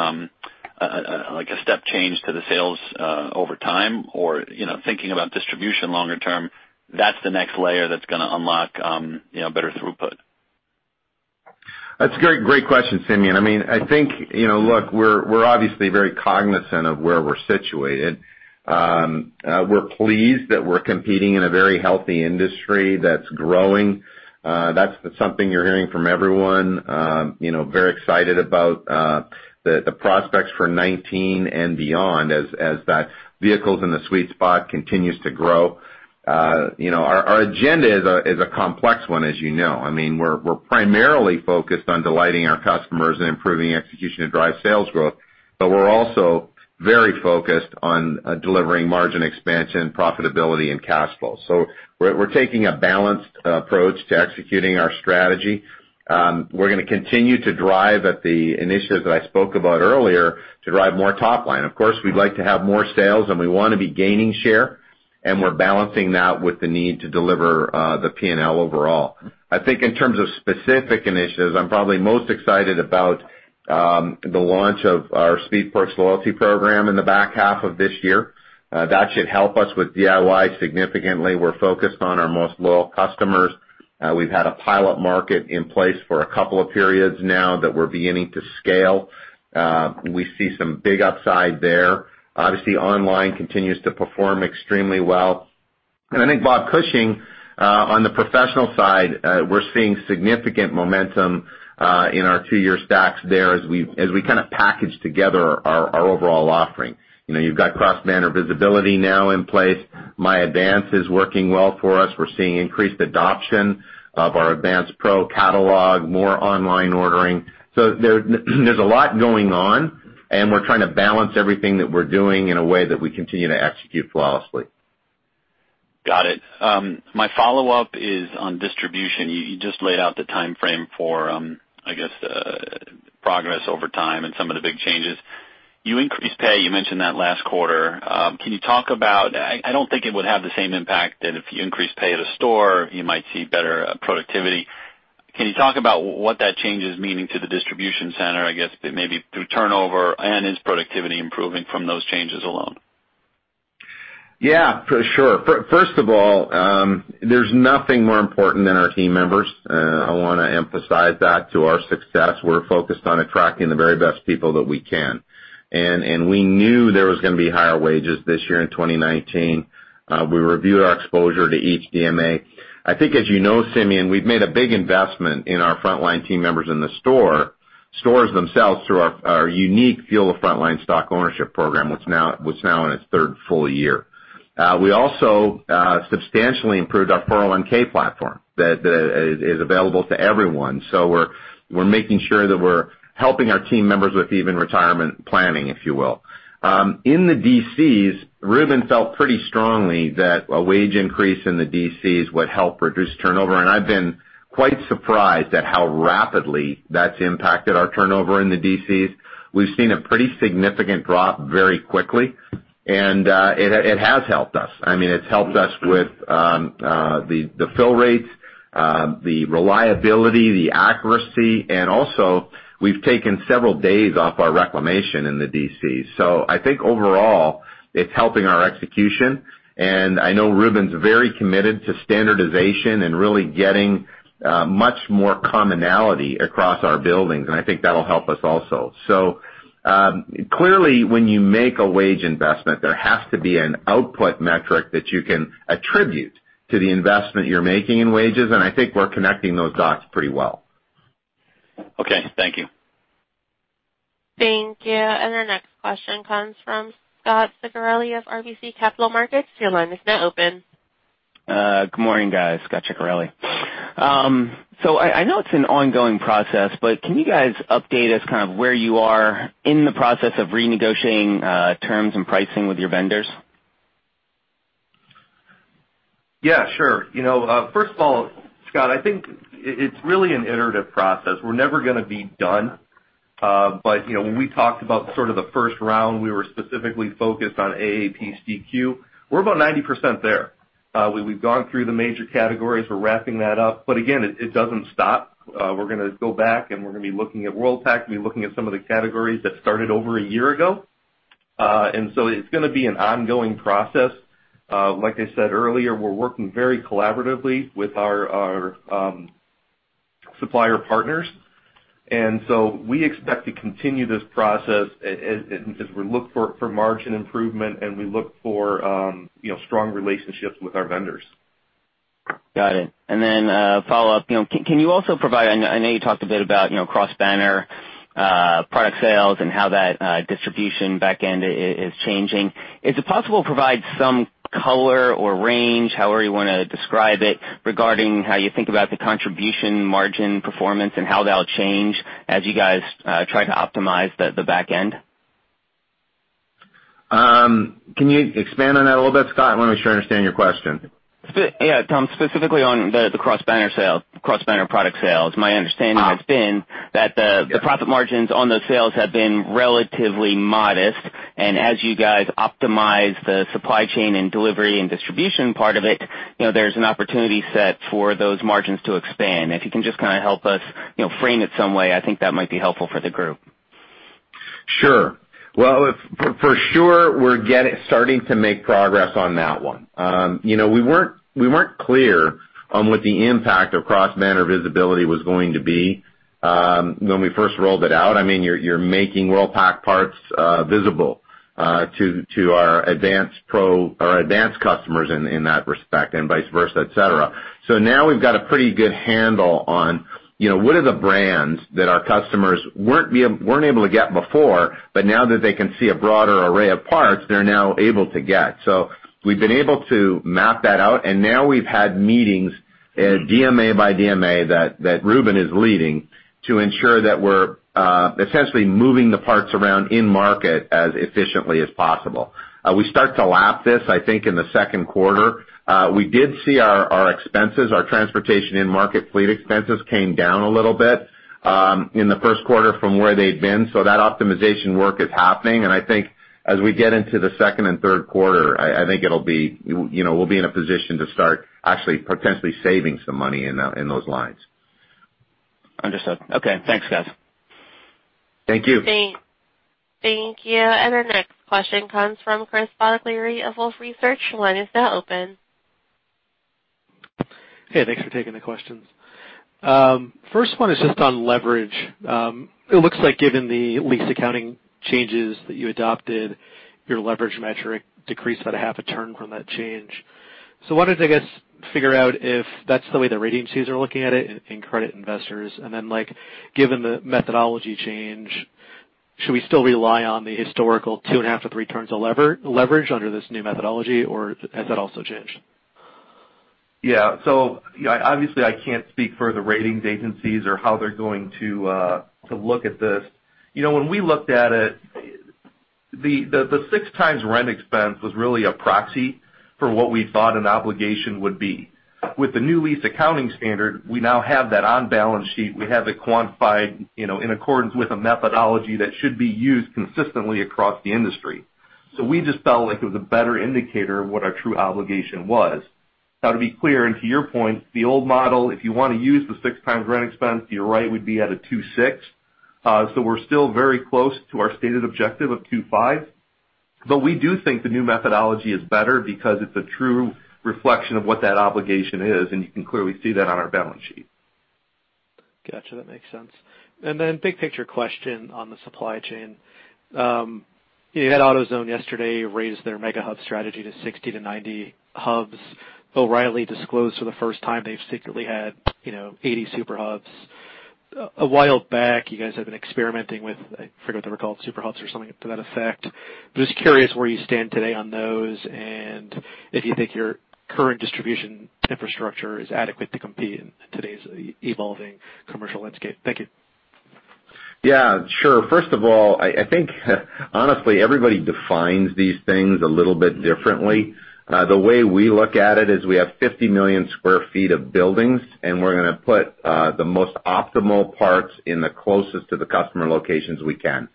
a step change to the sales over time? Or thinking about distribution longer term, that's the next layer that's going to unlock better throughput. That's a great question, Simeon. I think, look, we're obviously very cognizant of where we're situated. We're pleased that we're competing in a very healthy industry that's growing. That's something you're hearing from everyone. Very excited about the prospects for 2019 and beyond as that vehicle's in the sweet spot continues to grow. Our agenda is a complex one, as you know. We're primarily focused on delighting our customers and improving execution to drive sales growth, but we're also very focused on delivering margin expansion, profitability, and cash flow. We're taking a balanced approach to executing our strategy. We're going to continue to drive at the initiatives that I spoke about earlier to drive more top line. Of course, we'd like to have more sales, and we want to be gaining share, and we're balancing that with the need to deliver the P&L overall. I think in terms of specific initiatives, I'm probably most excited about the launch of our Speed Perks loyalty program in the back half of this year. That should help us with DIY significantly. We're focused on our most loyal customers. We've had a pilot market in place for a couple of periods now that we're beginning to scale. We see some big upside there. Obviously, online continues to perform extremely well. I think, Bob Cushing, on the professional side, we're seeing significant momentum in our two-year stacks there as we kind of package together our overall offering. You've got Cross-Banner Visibility now in place. myAdvance is working well for us. We're seeing increased adoption of our Advance Pro Catalog, more online ordering. There's a lot going on, and we're trying to balance everything that we're doing in a way that we continue to execute flawlessly. Got it. My follow-up is on distribution. You just laid out the timeframe for progress over time and some of the big changes. You increased pay, you mentioned that last quarter. I don't think it would have the same impact that if you increase pay at a store, you might see better productivity. Can you talk about what that change is meaning to the distribution center, I guess maybe through turnover, and is productivity improving from those changes alone? Yeah, for sure. First of all, there's nothing more important than our team members. I want to emphasize that to our success. We're focused on attracting the very best people that we can. We knew there was going to be higher wages this year in 2019. We reviewed our exposure to each DMA. I think as you know, Simeon, we've made a big investment in our frontline team members in the stores themselves through our unique Fuel the Frontline stock ownership program, which is now in its third full year. We also substantially improved our 401 platform that is available to everyone. We're making sure that we're helping our team members with even retirement planning, if you will. In the DCs, Reuben felt pretty strongly that a wage increase in the DCs would help reduce turnover, and I've been quite surprised at how rapidly that's impacted our turnover in the DCs. We've seen a pretty significant drop very quickly, and it has helped us. It's helped us with the fill rates, the reliability, the accuracy, and also we've taken several days off our reclamation in the DCs. I think overall it's helping our execution, and I know Reuben's very committed to standardization and really getting much more commonality across our buildings, and I think that'll help us also. Clearly, when you make a wage investment, there has to be an output metric that you can attribute to the investment you're making in wages, and I think we're connecting those dots pretty well. Okay. Thank you. Thank you. Our next question comes from Scot Ciccarelli of RBC Capital Markets. Your line is now open. Good morning, guys. Scot Ciccarelli. I know it's an ongoing process, but can you guys update us kind of where you are in the process of renegotiating terms and pricing with your vendors? Yeah, sure. First of all, Scot, I think it's really an iterative process. We're never going to be done. When we talked about sort of the first round, we were specifically focused on AAPCQ. We're about 90% there. We've gone through the major categories. We're wrapping that up. Again, it doesn't stop. We're going to go back and we're going to be looking at Worldpac, be looking at some of the categories that started over a year ago. It's going to be an ongoing process. Like I said earlier, we're working very collaboratively with our supplier partners. We expect to continue this process as we look for margin improvement and we look for strong relationships with our vendors. Got it. A follow-up. Can you also provide, I know you talked a bit about cross-banner product sales and how that distribution back-end is changing. Is it possible to provide some color or range, however you want to describe it, regarding how you think about the contribution margin performance and how that'll change as you guys try to optimize the back-end? Can you expand on that a little bit, Scot? I want to be sure I understand your question. Tom, specifically on the cross-banner product sales, my understanding has been that the profit margins on those sales have been relatively modest, and as you guys optimize the supply chain and delivery and distribution part of it, there's an opportunity set for those margins to expand. If you can just kind of help us frame it some way, I think that might be helpful for the group. Sure. Well, for sure, we're starting to make progress on that one. We weren't clear on what the impact of cross-banner visibility was going to be when we first rolled it out. I mean, you're making Worldpac parts visible to our Advance customers in that respect, and vice versa, et cetera. Now we've got a pretty good handle on what are the brands that our customers weren't able to get before, but now that they can see a broader array of parts, they're now able to get. We've been able to map that out, and now we've had meetings, DMA by DMA, that Reuben is leading to ensure that we're essentially moving the parts around in market as efficiently as possible. We start to lap this, I think, in the second quarter. We did see our expenses, our transportation in market fleet expenses came down a little bit in the first quarter from where they'd been. That optimization work is happening, and I think as we get into the second and third quarter, I think we'll be in a position to start actually potentially saving some money in those lines. Understood. Okay. Thanks, guys. Thank you. Thank you. Our next question comes from Chris Bottiglieri of Wolfe Research. Your line is now open. Hey, thanks for taking the questions. First one is just on leverage. It looks like given the lease accounting changes that you adopted, your leverage metric decreased about a half a turn from that change. I wanted to, I guess, figure out if that's the way the ratings agencies are looking at it and credit investors. Given the methodology change, should we still rely on the historical 2.5 to 3 turns of leverage under this new methodology, or has that also changed? Yeah. So obviously I cannot speak for the ratings agencies or how they are going to look at this. When we looked at it, the 6 times rent expense was really a proxy for what we thought an obligation would be. With the new lease accounting standard, we now have that on balance sheet. We have it quantified in accordance with a methodology that should be used consistently across the industry. We just felt like it was a better indicator of what our true obligation was. Now, to be clear, and to your point, the old model, if you want to use the 6 times rent expense, you are right, we would be at a 2.6. We are still very close to our stated objective of 2.5. But we do think the new methodology is better because it is a true reflection of what that obligation is, and you can clearly see that on our balance sheet. Got you. That makes sense. And then big picture question on the supply chain. You had AutoZone yesterday raise their mega hub strategy to 60-90 hubs. O'Reilly disclosed for the first time they have secretly had 80 super hubs. A while back, you guys have been experimenting with, I forget what they were called, super hubs or something to that effect. But just curious where you stand today on those, and if you think your current distribution infrastructure is adequate to compete in today's evolving commercial landscape. Thank you. Yeah, sure. First of all, I think honestly, everybody defines these things a little bit differently. The way we look at it is we have 50 million sq ft of buildings, and we are going to put the most optimal parts in the closest to the customer locations we can.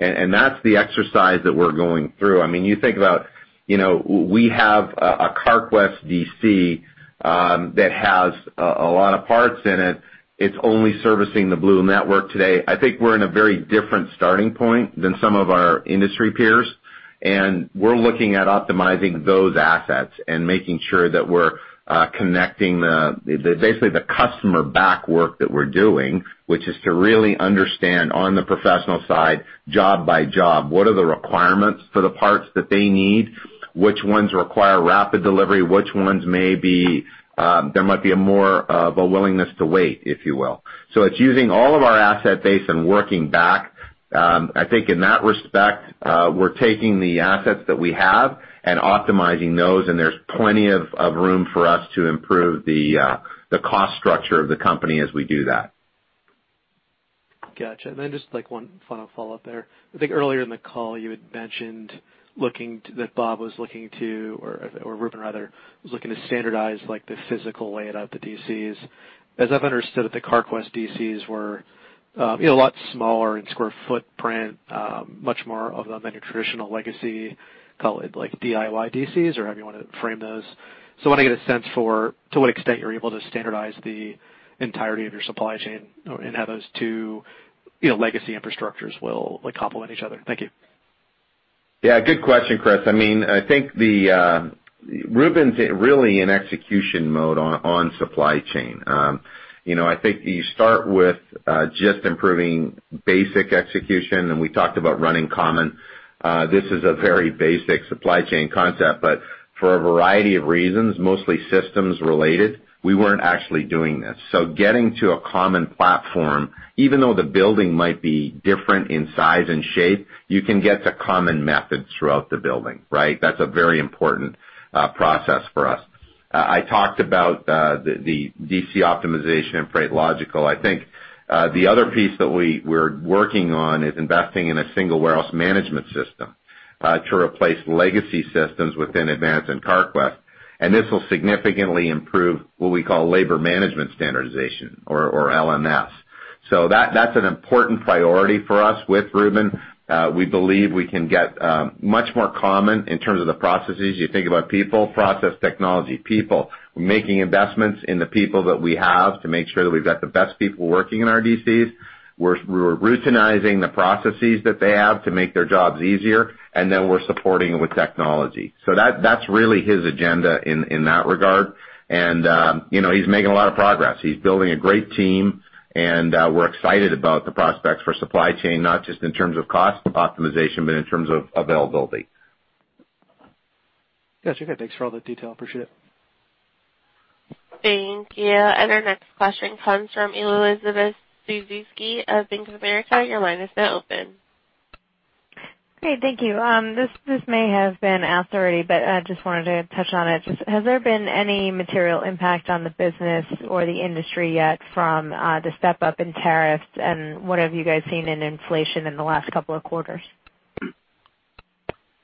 And that is the exercise that we are going through. I mean, you think about, we have a Carquest DC that has a lot of parts in it. It is only servicing the blue network today. I think we're in a very different starting point than some of our industry peers. We're looking at optimizing those assets and making sure that we're connecting basically the customer back work that we're doing, which is to really understand on the professional side, job by job, what are the requirements for the parts that they need, which ones require rapid delivery, which ones maybe there might be more of a willingness to wait, if you will. It's using all of our asset base and working back. I think in that respect, we're taking the assets that we have and optimizing those, and there's plenty of room for us to improve the cost structure of the company as we do that. Got you. Then just one final follow-up there. I think earlier in the call you had mentioned that Bob was looking to, or Reuben rather, was looking to standardize the physical layout of the DCs. As I've understood it, the Carquest DCs were a lot smaller in square footprint, much more of them than your traditional legacy, call it like DIY DCs, or however you want to frame those. I want to get a sense for, to what extent you're able to standardize the entirety of your supply chain and how those two legacy infrastructures will complement each other. Thank you. Yeah. Good question, Chris. I think Reuben's really in execution mode on supply chain. I think you start with just improving basic execution. We talked about running common. This is a very basic supply chain concept, but for a variety of reasons, mostly systems related, we weren't actually doing this. Getting to a common platform, even though the building might be different in size and shape, you can get to common methods throughout the building, right? That's a very important process for us. I talked about the DC optimization and freight logical. I think the other piece that we're working on is investing in a single warehouse management system to replace legacy systems within Advance and Carquest. This will significantly improve what we call labor management standardization or LMS. That's an important priority for us with Reuben. We believe we can get much more common in terms of the processes. You think about people, process, technology, people. We're making investments in the people that we have to make sure that we've got the best people working in our DCs. We're routinizing the processes that they have to make their jobs easier. Then we're supporting it with technology. That's really his agenda in that regard. He's making a lot of progress. He's building a great team. We're excited about the prospects for supply chain, not just in terms of cost optimization, but in terms of availability. Got you. Thanks for all the detail. Appreciate it. Thank you. Our next question comes from Elizabeth Suzuki of Bank of America. Your line is now open. Great. Thank you. This may have been asked already, but I just wanted to touch on it. Just, has there been any material impact on the business or the industry yet from the step up in tariffs, and what have you guys seen in inflation in the last couple of quarters?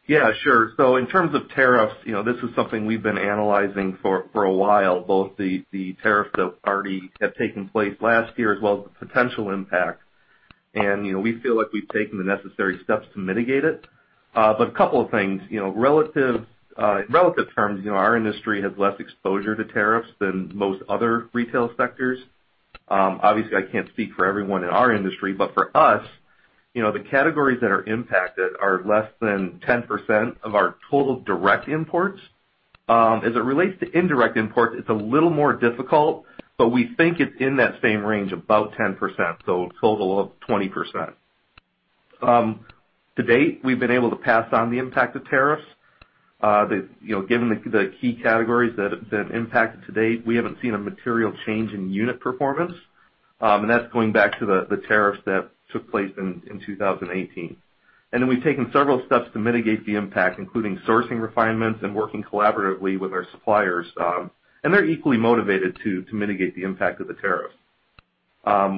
Yeah, sure. In terms of tariffs, this is something we've been analyzing for a while, both the tariffs that already have taken place last year, as well as the potential impact. We feel like we've taken the necessary steps to mitigate it. A couple of things. In relative terms, our industry has less exposure to tariffs than most other retail sectors. Obviously, I can't speak for everyone in our industry, but for us, the categories that are impacted are less than 10% of our total direct imports. As it relates to indirect imports, it's a little more difficult, but we think it's in that same range, about 10%, so a total of 20%. To date, we've been able to pass on the impact of tariffs. Given the key categories that have been impacted to date, we haven't seen a material change in unit performance. That's going back to the tariffs that took place in 2018. Then we've taken several steps to mitigate the impact, including sourcing refinements and working collaboratively with our suppliers. They're equally motivated to mitigate the impact of the tariffs.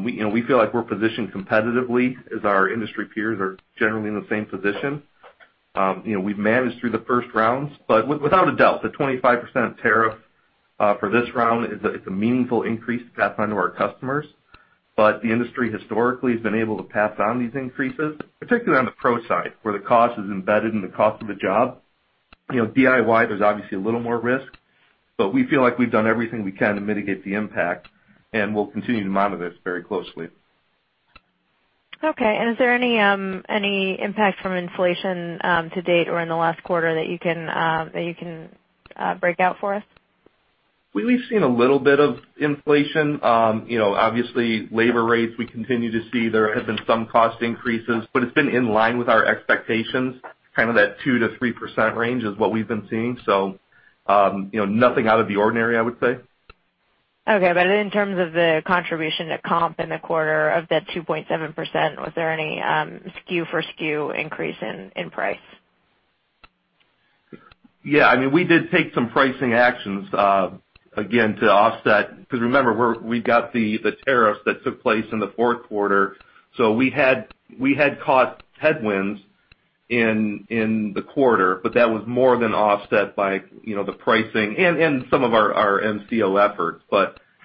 We feel like we're positioned competitively as our industry peers are generally in the same position. We've managed through the first rounds, without a doubt, the 25% tariff for this round is a meaningful increase to pass on to our customers. The industry historically has been able to pass on these increases, particularly on the pro side, where the cost is embedded in the cost of the job. DIY, there's obviously a little more risk, but we feel like we've done everything we can to mitigate the impact, and we'll continue to monitor this very closely. Okay. Is there any impact from inflation to date or in the last quarter that you can break out for us? We've seen a little bit of inflation. Obviously, labor rates, we continue to see there have been some cost increases, but it's been in line with our expectations. Kind of that 2% to 3% range is what we've been seeing. Nothing out of the ordinary, I would say. Okay. In terms of the contribution to comp in the quarter of that 2.7%, was there any SKU for SKU increase in price? We did take some pricing actions, again, to offset, because remember, we got the tariffs that took place in the fourth quarter. We had caught headwinds in the quarter, but that was more than offset by the pricing and some of our MCO efforts.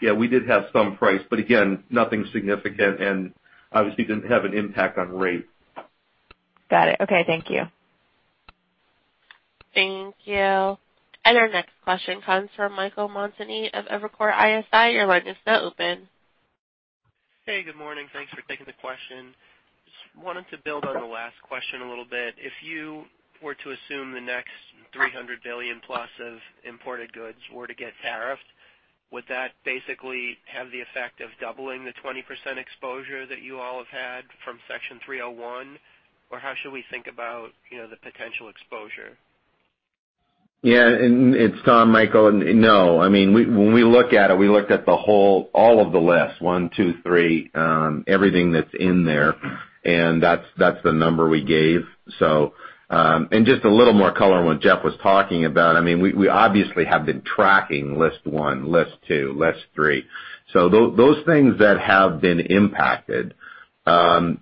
We did have some price, but again, nothing significant and obviously didn't have an impact on rate. Got it. Okay. Thank you. Thank you. Our next question comes from Michael Montani of Evercore ISI. Your line is now open. Good morning. Thanks for taking the question. Just wanted to build on the last question a little bit. If you were to assume the next $300 billion plus of imported goods were to get tariffed, would that basically have the effect of doubling the 20% exposure that you all have had from Section 301, or how should we think about the potential exposure? Yeah, it's Tom, Michael. No. When we look at it, we looked at the whole, all of the lists, one, two, three, everything that's in there, and that's the number we gave. Just a little more color on what Jeff was talking about, we obviously have been tracking list one, list two, list three. Those things that have been impacted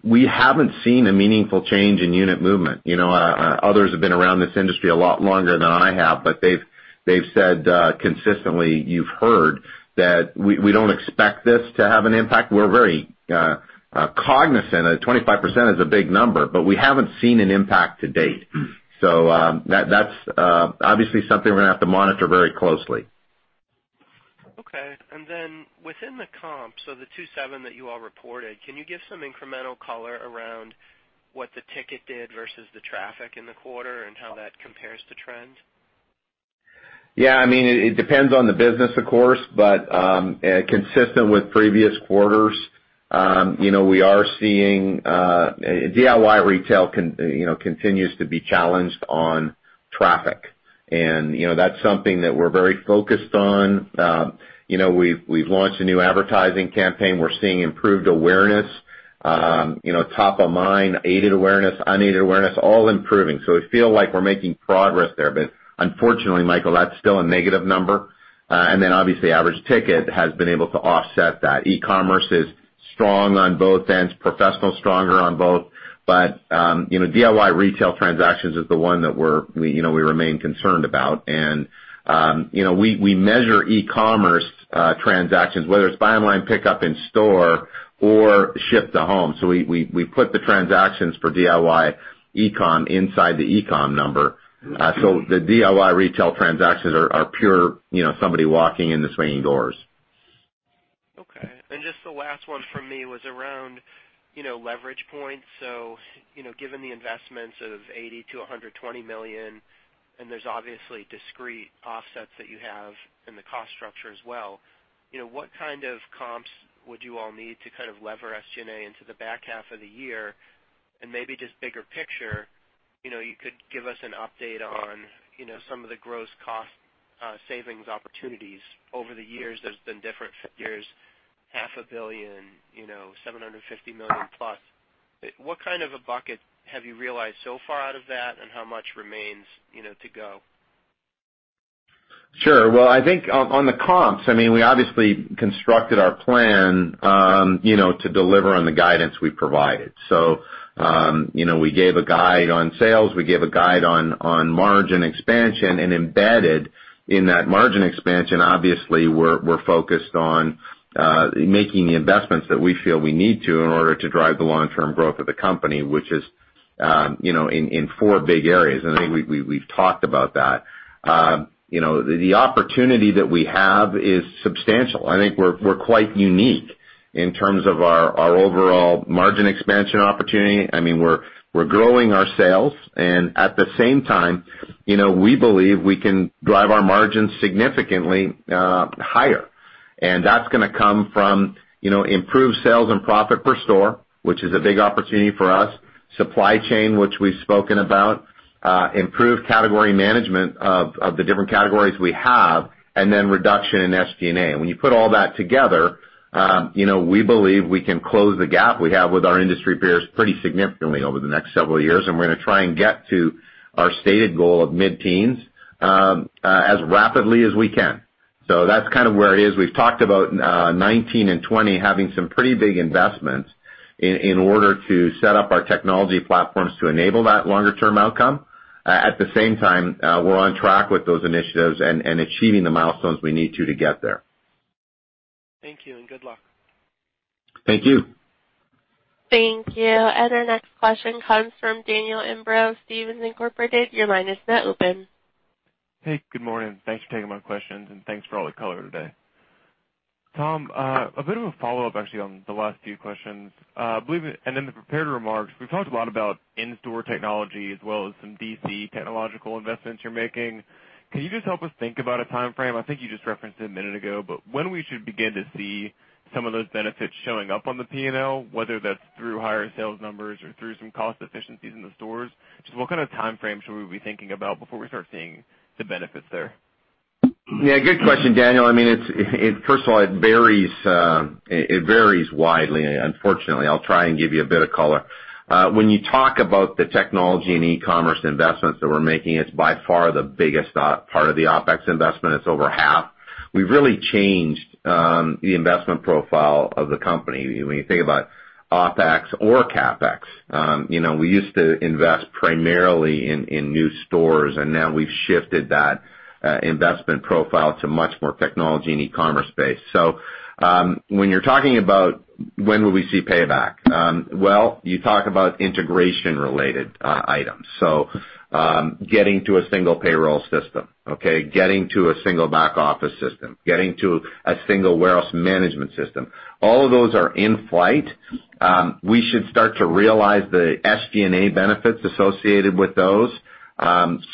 We haven't seen a meaningful change in unit movement. Others have been around this industry a lot longer than I have, but they've said consistently, you've heard, that we don't expect this to have an impact. We're very cognizant that 25% is a big number, but we haven't seen an impact to date. That's obviously something we're going to have to monitor very closely. Okay. Within the comps, the 2.7 that you all reported, can you give some incremental color around what the ticket did versus the traffic in the quarter and how that compares to trend? Yeah. It depends on the business, of course, but consistent with previous quarters, we are seeing DIY retail continues to be challenged on traffic. That's something that we're very focused on. We've launched a new advertising campaign. We're seeing improved awareness, top of mind, aided awareness, unaided awareness, all improving. We feel like we're making progress there. Unfortunately, Michael, that's still a negative number. Obviously average ticket has been able to offset that. E-commerce is strong on both ends, professional stronger on both. DIY retail transactions is the one that we remain concerned about. We measure e-commerce transactions, whether it's buy online, pick up in store or ship to home. We put the transactions for DIY e-com inside the e-com number. The DIY retail transactions are pure somebody walking in the swinging doors. Okay. Just the last one from me was around leverage points. Given the investments of $80 million-$120 million, and there's obviously discrete offsets that you have in the cost structure as well, what kind of comps would you all need to kind of lever SG&A into the back half of the year? Maybe just bigger picture, you could give us an update on some of the gross cost savings opportunities over the years, there's been different figures, half a billion, $750 million+. What kind of a bucket have you realized so far out of that, and how much remains to go? Sure. Well, I think on the comps, we obviously constructed our plan to deliver on the guidance we provided. We gave a guide on sales, we gave a guide on margin expansion, embedded in that margin expansion, obviously, we're focused on making the investments that we feel we need to in order to drive the long-term growth of the company, which is in four big areas. I think we've talked about that. The opportunity that we have is substantial. I think we're quite unique in terms of our overall margin expansion opportunity. We're growing our sales, at the same time, we believe we can drive our margins significantly higher. That's going to come from improved sales and profit per store, which is a big opportunity for us, supply chain, which we've spoken about, improved category management of the different categories we have, reduction in SG&A. When you put all that together, we believe we can close the gap we have with our industry peers pretty significantly over the next several years, and we're going to try and get to our stated goal of mid-teens as rapidly as we can. That's kind of where it is. We've talked about 2019 and 2020 having some pretty big investments in order to set up our technology platforms to enable that longer term outcome. At the same time, we're on track with those initiatives and achieving the milestones we need to to get there. Thank you, and good luck. Thank you. Thank you. Our next question comes from Daniel Imbro, Stephens Inc. Your line is now open. Hey, good morning. Thanks for taking my questions, and thanks for all the color today. Tom, a bit of a follow-up, actually, on the last few questions. I believe, in the prepared remarks, we've talked a lot about in-store technology as well as some DC technological investments you're making. Can you just help us think about a timeframe? I think you just referenced it a minute ago, but when we should begin to see some of those benefits showing up on the P&L, whether that's through higher sales numbers or through some cost efficiencies in the stores, just what kind of timeframe should we be thinking about before we start seeing the benefits there? Yeah, good question, Daniel. First of all, it varies widely, unfortunately. I'll try and give you a bit of color. When you talk about the technology and e-commerce investments that we're making, it's by far the biggest part of the OpEx investment. It's over half. We've really changed the investment profile of the company. When you think about OpEx or CapEx, we used to invest primarily in new stores, and now we've shifted that investment profile to much more technology and e-commerce space. When you're talking about when will we see payback? You talk about integration-related items. Getting to a single payroll system, okay? Getting to a single back office system, getting to a single warehouse management system. All of those are in flight. We should start to realize the SG&A benefits associated with those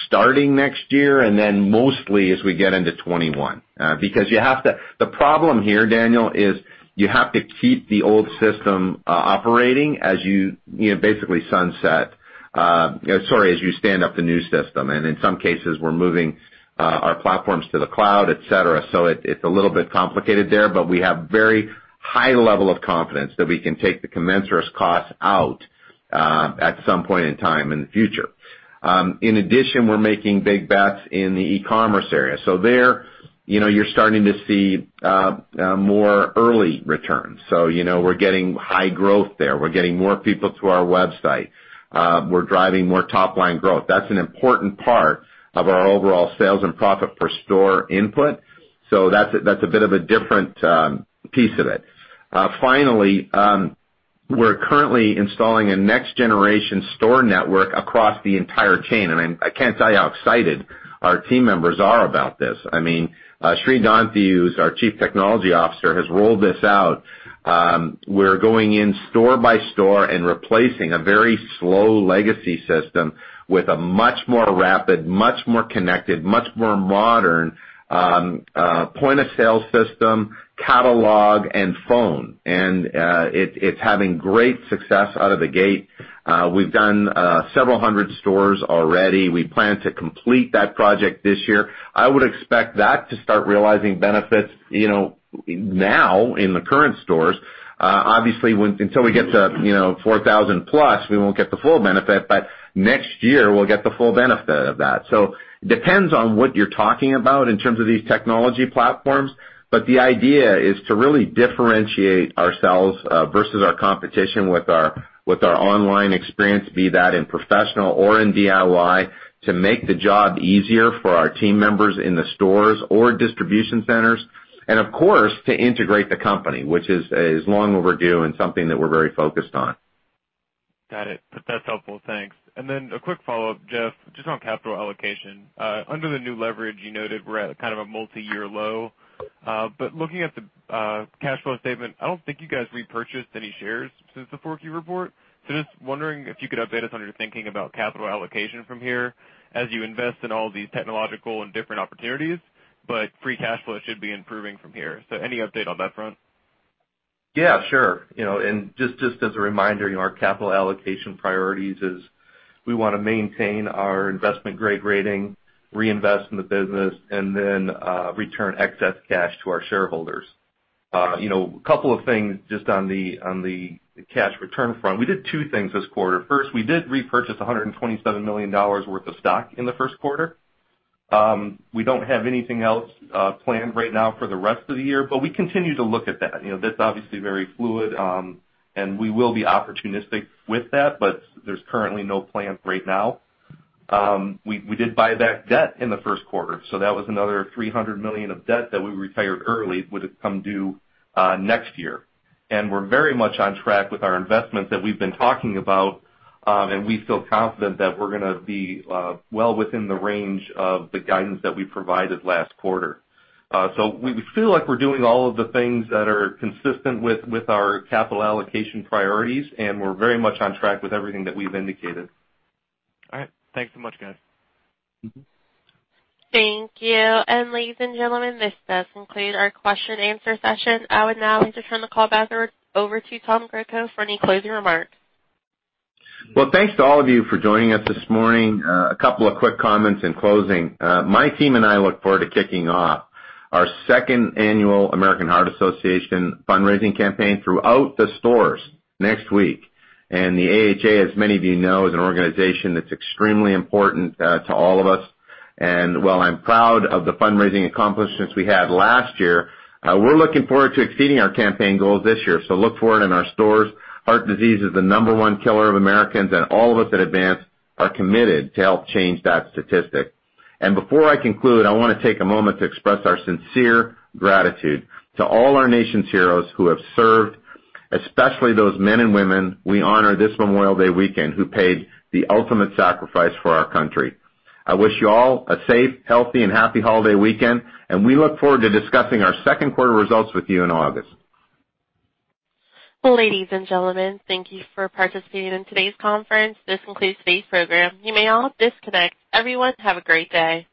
starting next year, and then mostly as we get into 2021. The problem here, Daniel, is you have to keep the old system operating as you basically sunset, as you stand up the new system, and in some cases, we're moving our platforms to the cloud, et cetera. It's a little bit complicated there, but we have very high level of confidence that we can take the commensurate costs out at some point in time in the future. In addition, we're making big bets in the e-commerce area. There, you're starting to see more early returns. We're getting high growth there. We're getting more people to our website. We're driving more top-line growth. That's an important part of our overall sales and profit per store input. That's a bit of a different piece of it. Finally, we're currently installing a next-generation store network across the entire chain, and I can't tell you how excited our team members are about this. Sri Donthi, who's our Chief Technology Officer, has rolled this out. We're going in store by store and replacing a very slow legacy system with a much more rapid, much more connected, much more modern point-of-sale system, catalog, and phone. It's having great success out of the gate. We've done several hundred stores already. We plan to complete that project this year. I would expect that to start realizing benefits now in the current stores. Obviously, until we get to 4,000+, we won't get the full benefit, but next year, we'll get the full benefit of that. Depends on what you're talking about in terms of these technology platforms, but the idea is to really differentiate ourselves versus our competition with our online experience, be that in professional or in DIY, to make the job easier for our team members in the stores or distribution centers, and of course, to integrate the company, which is long overdue and something that we're very focused on. Got it. That's helpful. Thanks. A quick follow-up, Jeff, just on capital allocation. Under the new leverage, you noted we're at kind of a multi-year low. Looking at the cash flow statement, I don't think you guys repurchased any shares since the 4Q report. Just wondering if you could update us on your thinking about capital allocation from here, as you invest in all these technological and different opportunities. Free cash flow should be improving from here. Any update on that front? Yeah, sure. Just as a reminder, our capital allocation priorities is we want to maintain our investment-grade rating, reinvest in the business, then return excess cash to our shareholders. A couple of things just on the cash return front. We did two things this quarter. First, we did repurchase $127 million worth of stock in the first quarter. We don't have anything else planned right now for the rest of the year, but we continue to look at that. That's obviously very fluid, and we will be opportunistic with that, but there's currently no plans right now. We did buy back debt in the first quarter, that was another $300 million of debt that we retired early. It would've come due next year. We're very much on track with our investments that we've been talking about, we feel confident that we're going to be well within the range of the guidance that we provided last quarter. We feel like we're doing all of the things that are consistent with our capital allocation priorities, we're very much on track with everything that we've indicated. All right. Thanks so much, guys. Thank you. Ladies and gentlemen, this does conclude our question-answer session. I would now like to turn the call back over to Tom Greco for any closing remarks. Well, thanks to all of you for joining us this morning. A couple of quick comments in closing. My team and I look forward to kicking off our second annual American Heart Association fundraising campaign throughout the stores next week. The AHA, as many of you know, is an organization that's extremely important to all of us. While I'm proud of the fundraising accomplishments we had last year, we're looking forward to exceeding our campaign goals this year. Look for it in our stores. Heart disease is the number one killer of Americans, and all of us at Advance are committed to help change that statistic. Before I conclude, I want to take a moment to express our sincere gratitude to all our nation's heroes who have served, especially those men and women we honor this Memorial Day weekend, who paid the ultimate sacrifice for our country. I wish you all a safe, healthy, and happy holiday weekend, and we look forward to discussing our second quarter results with you in August. Ladies and gentlemen, thank you for participating in today's conference. This concludes today's program. You may all disconnect. Everyone, have a great day.